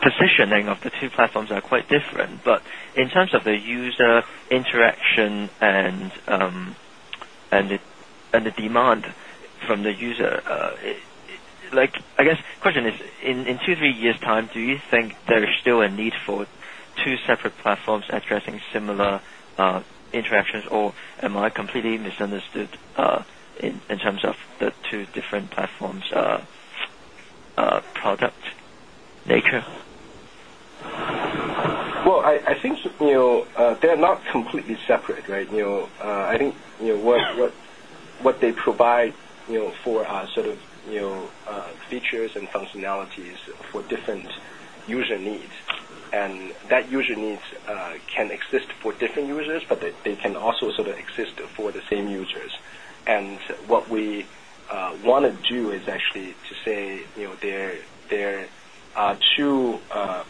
positioning of the two platforms are quite different. In terms of the user interaction and the demand from the user, I guess the question is, in two, three years' time, do you think there's still a need for two separate platforms addressing similar interactions, or am I completely misunderstood in terms of the two different platforms, product maker? I think they're not completely separate, right? I think what they provide for our features and functionalities is for different user needs. That user needs can exist for different users, but they can also exist for the same users. What we want to do is actually to say there are two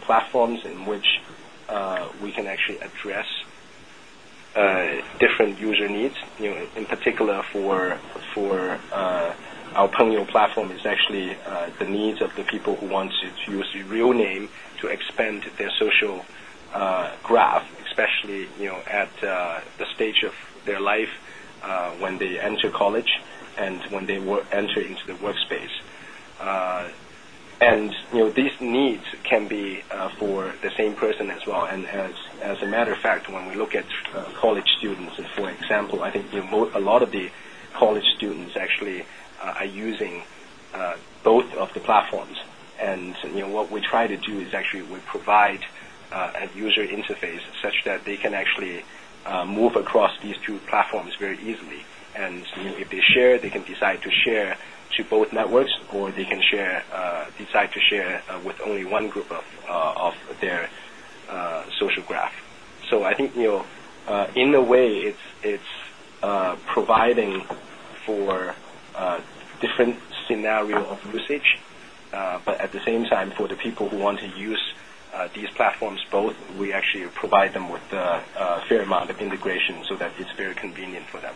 platforms in which we can actually address different user needs. In particular, for our Pengyou platform, it is actually the needs of the people who want to use the real name to expand their social graph, especially at the stage of their life when they enter college and when they enter into the workspace. These needs can be for the same person as well. As a matter of fact, when we look at college students, for example, I think a lot of the college students actually are using both of the platforms. What we try to do is actually we provide a user interface such that they can actually move across these two platforms very easily. If they share, they can decide to share to both networks, or they can decide to share with only one group of their social graph. I think in a way, it's providing for different scenarios of usage, but at the same time, for the people who want to use these platforms both, we actually provide them with a fair amount of integration so that it's very convenient for them.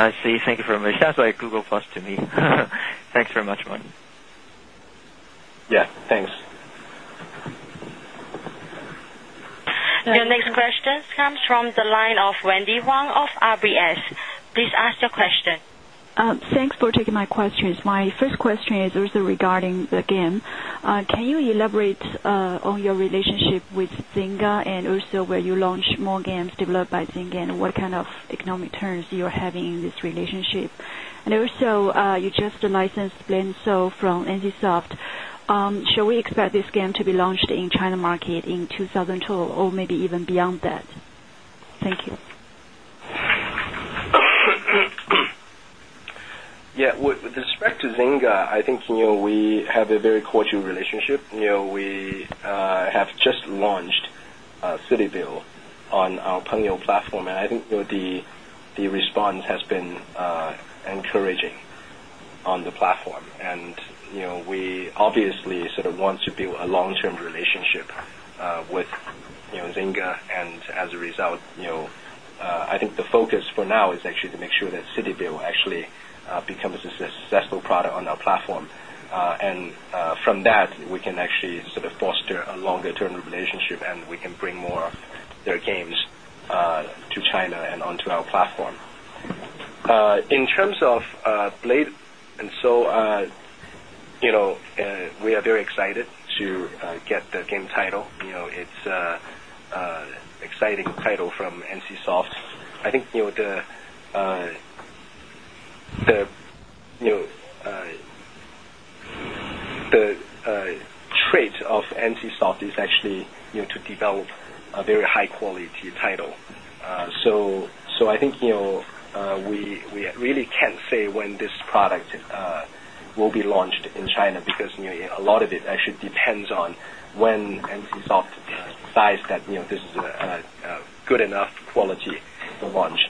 I see. Thank you very much. Sounds like Google+ to me. Thanks very much, Martin. Yeah. Thanks. Your next question comes from the line of Wendy Wang of RBS. Please ask your question. Thanks for taking my questions. My first question is also regarding the game. Can you elaborate on your relationship with Zynga, and also whether you will launch more games developed by Zynga, and what kind of economic terms you're having in this relationship? You just licensed Blade & Soul from NCSoft. Should we expect this game to be launched in the China market in 2012 or maybe even beyond that? Thank you. Yeah. With respect to Zynga, I think we have a very cordial relationship. We have just launched CityVille on our Pengyou platform, and I think the response has been encouraging on the platform. We obviously want to build a long-term relationship with Zynga. I think the focus for now is actually to make sure that CityVille actually becomes a successful product on our platform. From that, we can actually foster a longer-term relationship, and we can bring more of their games to China and onto our platform. In terms of Blade & Soul, we are very excited to get the game title. It's an exciting title from NCSoft. I think the trait of NCSoft is actually to develop a very high-quality title. I think we really can't say when this product will be launched in China because a lot of it actually depends on when NCSoft decides that this is a good enough quality to launch.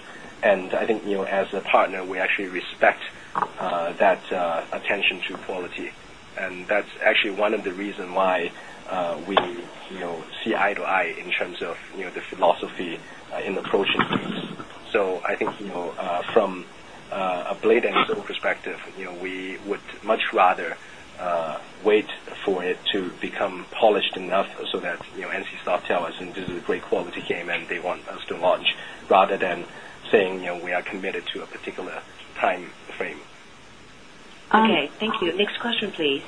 As a partner, we actually respect that attention to quality. That's actually one of the reasons why we see eye to eye in terms of the philosophy in approaching this. From a Blade & Soul perspective, we would much rather wait for it to become polished enough so that NCSoft tells us, "This is a great quality game," and they want us to launch rather than saying, "We are committed to a particular time frame. Okay. Thank you. Next question, please.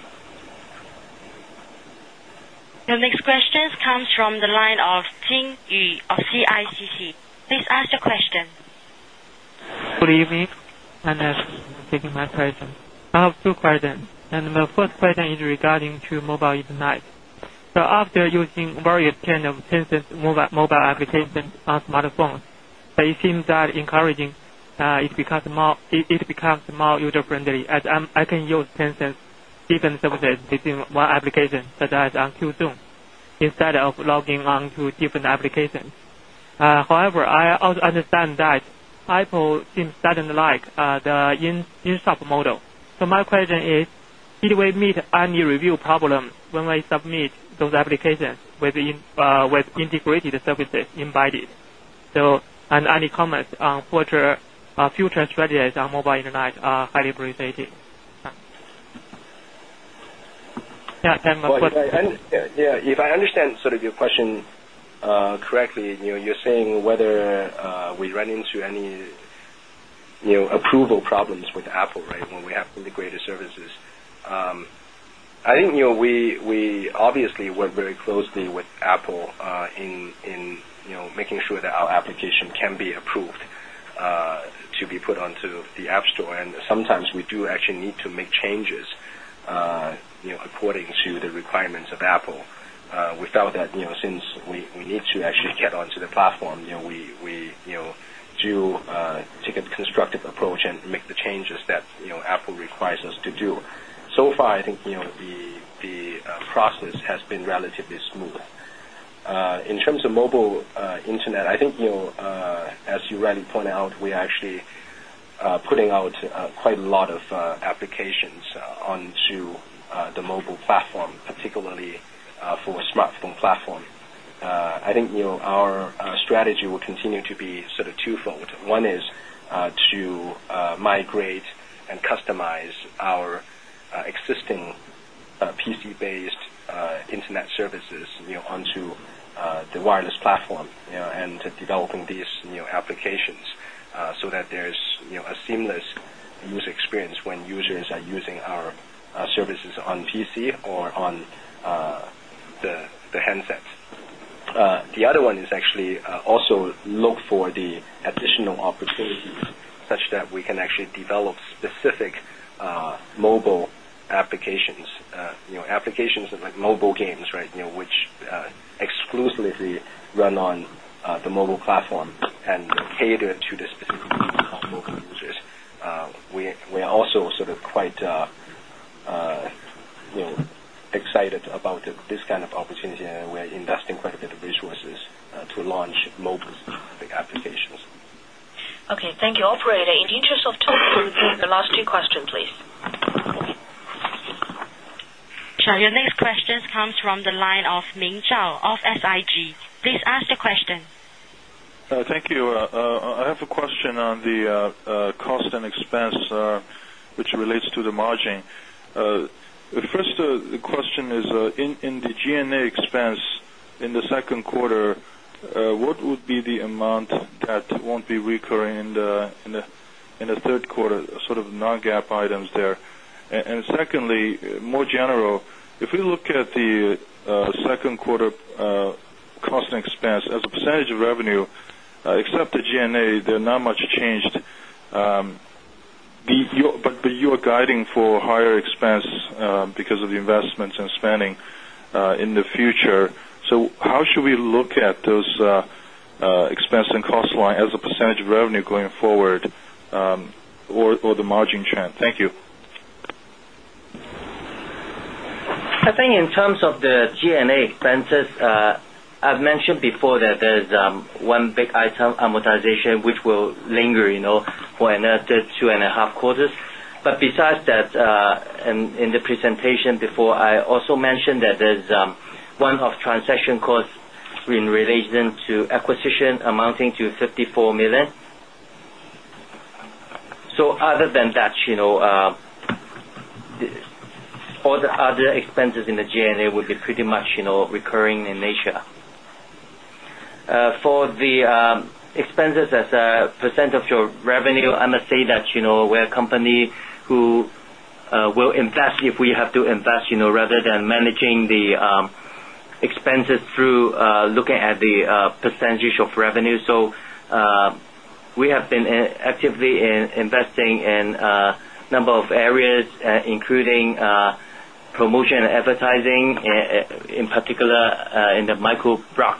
Your next question comes from the line of Jin Lee of CICC. Please ask your question. Good evening. I have two questions. My first question is regarding mobile internet. After using various kinds of Tencent mobile applications on smartphones, it seems that it becomes more user-friendly as I can use Tencent's different services within one application, such as on Qzone, instead of logging onto different applications. However, I also understand that Apple seems to like the in-app model. My question is, did we meet any review problems when we submit those applications with integrated services in iOS? Any comments on future strategies on mobile internet are highly appreciated. Yeah. If I understand your question correctly, you're saying whether we ran into any approval problems with Apple, right, when we have integrated services. I think we obviously work very closely with Apple in making sure that our application can be approved to be put onto the App Store. Sometimes we do actually need to make changes according to the requirements of Apple. We felt that since we need to actually get onto the platform, we do take a constructive approach and make the changes that Apple requires us to do. So far, I think the process has been relatively smooth. In terms of mobile internet, as you rightly pointed out, we are actually putting out quite a lot of applications onto the mobile platform, particularly for a smartphone platform. I think our strategy will continue to be sort of twofold. One is to migrate and customize our existing PC-based internet services onto the wireless platform and developing these applications so that there's a seamless user experience when users are using our services on PC or on the headset. The other one is actually also to look for the additional opportunities such that we can actually develop specific mobile applications, applications like mobile games, which exclusively run on the mobile platform and cater to the specific needs of local users. We are also quite excited about this kind of opportunity, and we're investing quite a bit of resources to launch mobile applications. Okay. Thank you. Operator, in the interest of time, please leave the last two questions. Sure. Your next question comes from the line of Ming Zhao of SIG. Please ask your question. Thank you. I have a question on the cost and expense, which relates to the margin. The first question is, in the G&A expense in the second quarter, what would be the amount that won't be recurring in the third quarter, sort of non-GAAP item there? Secondly, more general, if we look at the second quarter cost and expense as a percentage of revenue, except the G&A, there's not much changed. You are guiding for higher expense because of the investments and spending in the future. How should we look at those expense and cost line as a percentage of revenue going forward or the margin trend? Thank you. I think in terms of the G&A expenses, I've mentioned before that there's one big item, amortization, which will linger for another two and a half quarters. Besides that, in the presentation before, I also mentioned that there's one-off transaction costs in relation to acquisition amounting to 54 million. Other than that, all the other expenses in the G&A would be pretty much recurring in nature. For the expenses as a percent of your revenue, I must say that we're a company who will invest if we have to invest, rather than managing the expenses through looking at the percentage of revenue. We have been actively investing in a number of areas, including promotion and advertising, in particular in the microblog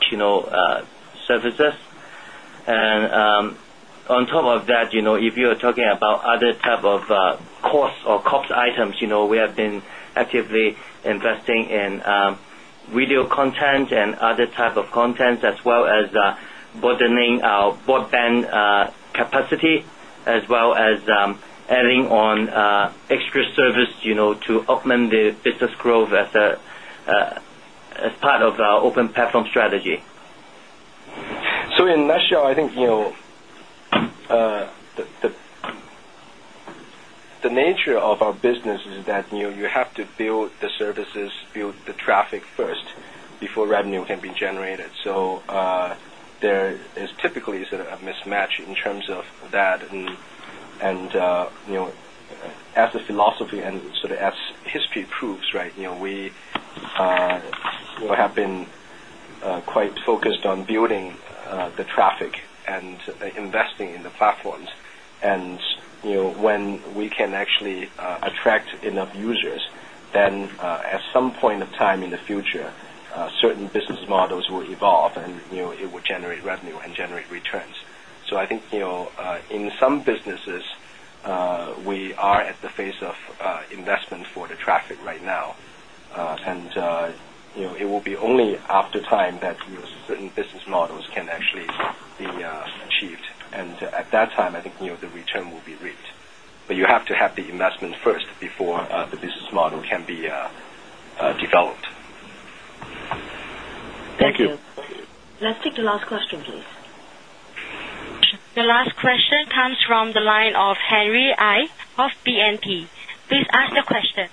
services. On top of that, if you're talking about other types of costs or cost items, we have been actively investing in video content and other types of content as well as broadening our broadband capacity, as well as adding on extra service to augment the business growth as part of our open platform strategy. In a nutshell, I think the nature of our business is that you have to build the services, build the traffic first before revenue can be generated. There is typically sort of a mismatch in terms of that. As the philosophy and as history proves, we have been quite focused on building the traffic and investing in the platforms. When we can actually attract enough users, then at some point of time in the future, certain business models will evolve and it will generate revenue and generate returns. I think in some businesses, we are at the phase of investment for the traffic right now. It will be only after time that certain business models can actually be achieved. At that time, I think the return will be reached. You have to have the investment first before the business model can be developed. Thank you. Let's take the last question, please. The last question comes from the line of Harry A. of BNP. Please ask your question.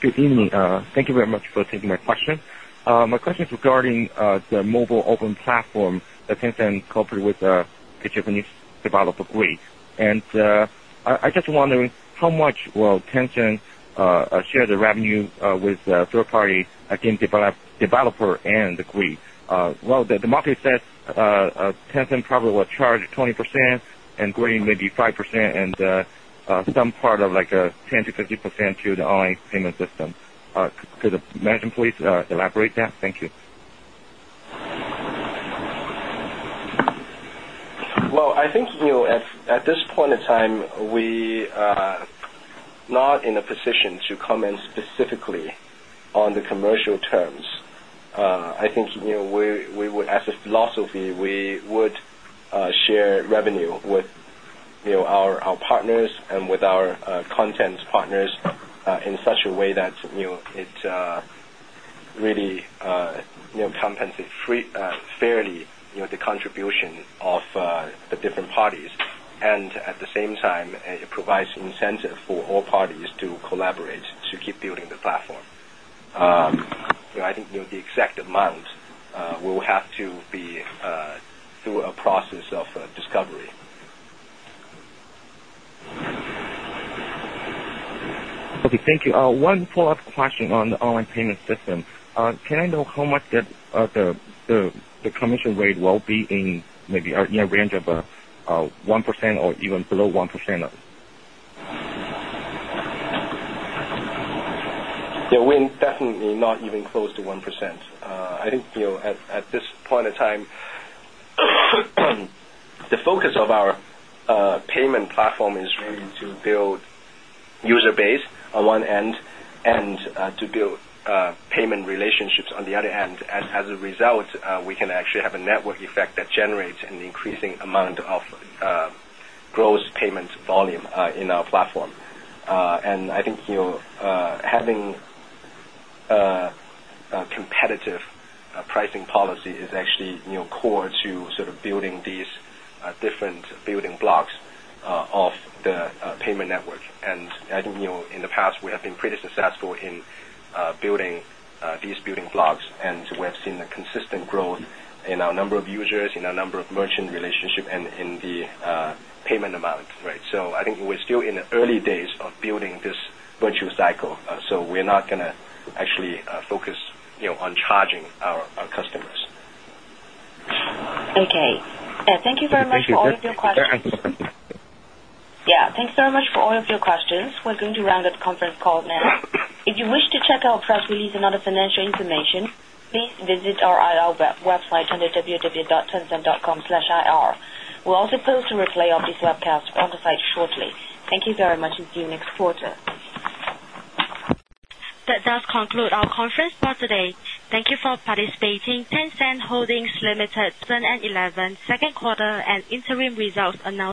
Good evening. Thank you very much for taking my question. My question is regarding the mobile open platform that Tencent cooperated with the Japanese developer GUI. I just wonder how much will Tencent share the revenue with the third-party game developer and the GREE. The market says Tencent probably will charge 20% and GREE maybe 5% and some part of like 10%-50% to the online payment system. Could the management, please, elaborate that? Thank you. At this point in time, we are not in a position to comment specifically on the commercial terms. As a philosophy, we would share revenue with our partners and with our content partners in such a way that it really compensates fairly the contributions of the different parties. At the same time, it provides an incentive for all parties to collaborate to keep building the platform. I think the exact amount will have to be through a process of discovery. Okay. Thank you. One follow-up question on the online payment system. Can I know how much the commission rate will be, maybe in a range of 1% or even below 1%? They're definitely not even close to 1%. I think you know at this point in time, the focus of our payment platform is really to build user base on one end and to build payment relationships on the other end. As a result, we can actually have a network effect that generates an increasing amount of gross payment volume in our platform. I think you know having a competitive pricing policy is actually core to sort of building these different building blocks of the payment network. I think you know in the past, we have been pretty successful in building these building blocks. We have seen a consistent growth in our number of users, in our number of merchant relationships, and in the payment amounts, right? I think we're still in the early days of building this virtual cycle. We're not going to actually focus on charging our customers. Okay, thank you very much for all of your questions. Thank you. Yeah. Thanks very much for all of your questions. We're going to round up the conference call now. If you wish to check out press release and other financial information, please visit our IR website under www.tencent.com/ir. We'll also post a replay of this webcast on the site shortly. Thank you very much. See you next quarter. That does conclude our conference for today. Thank you for participating. Tencent Holdings Limited, 2011 Second Quarter and Interim Results under.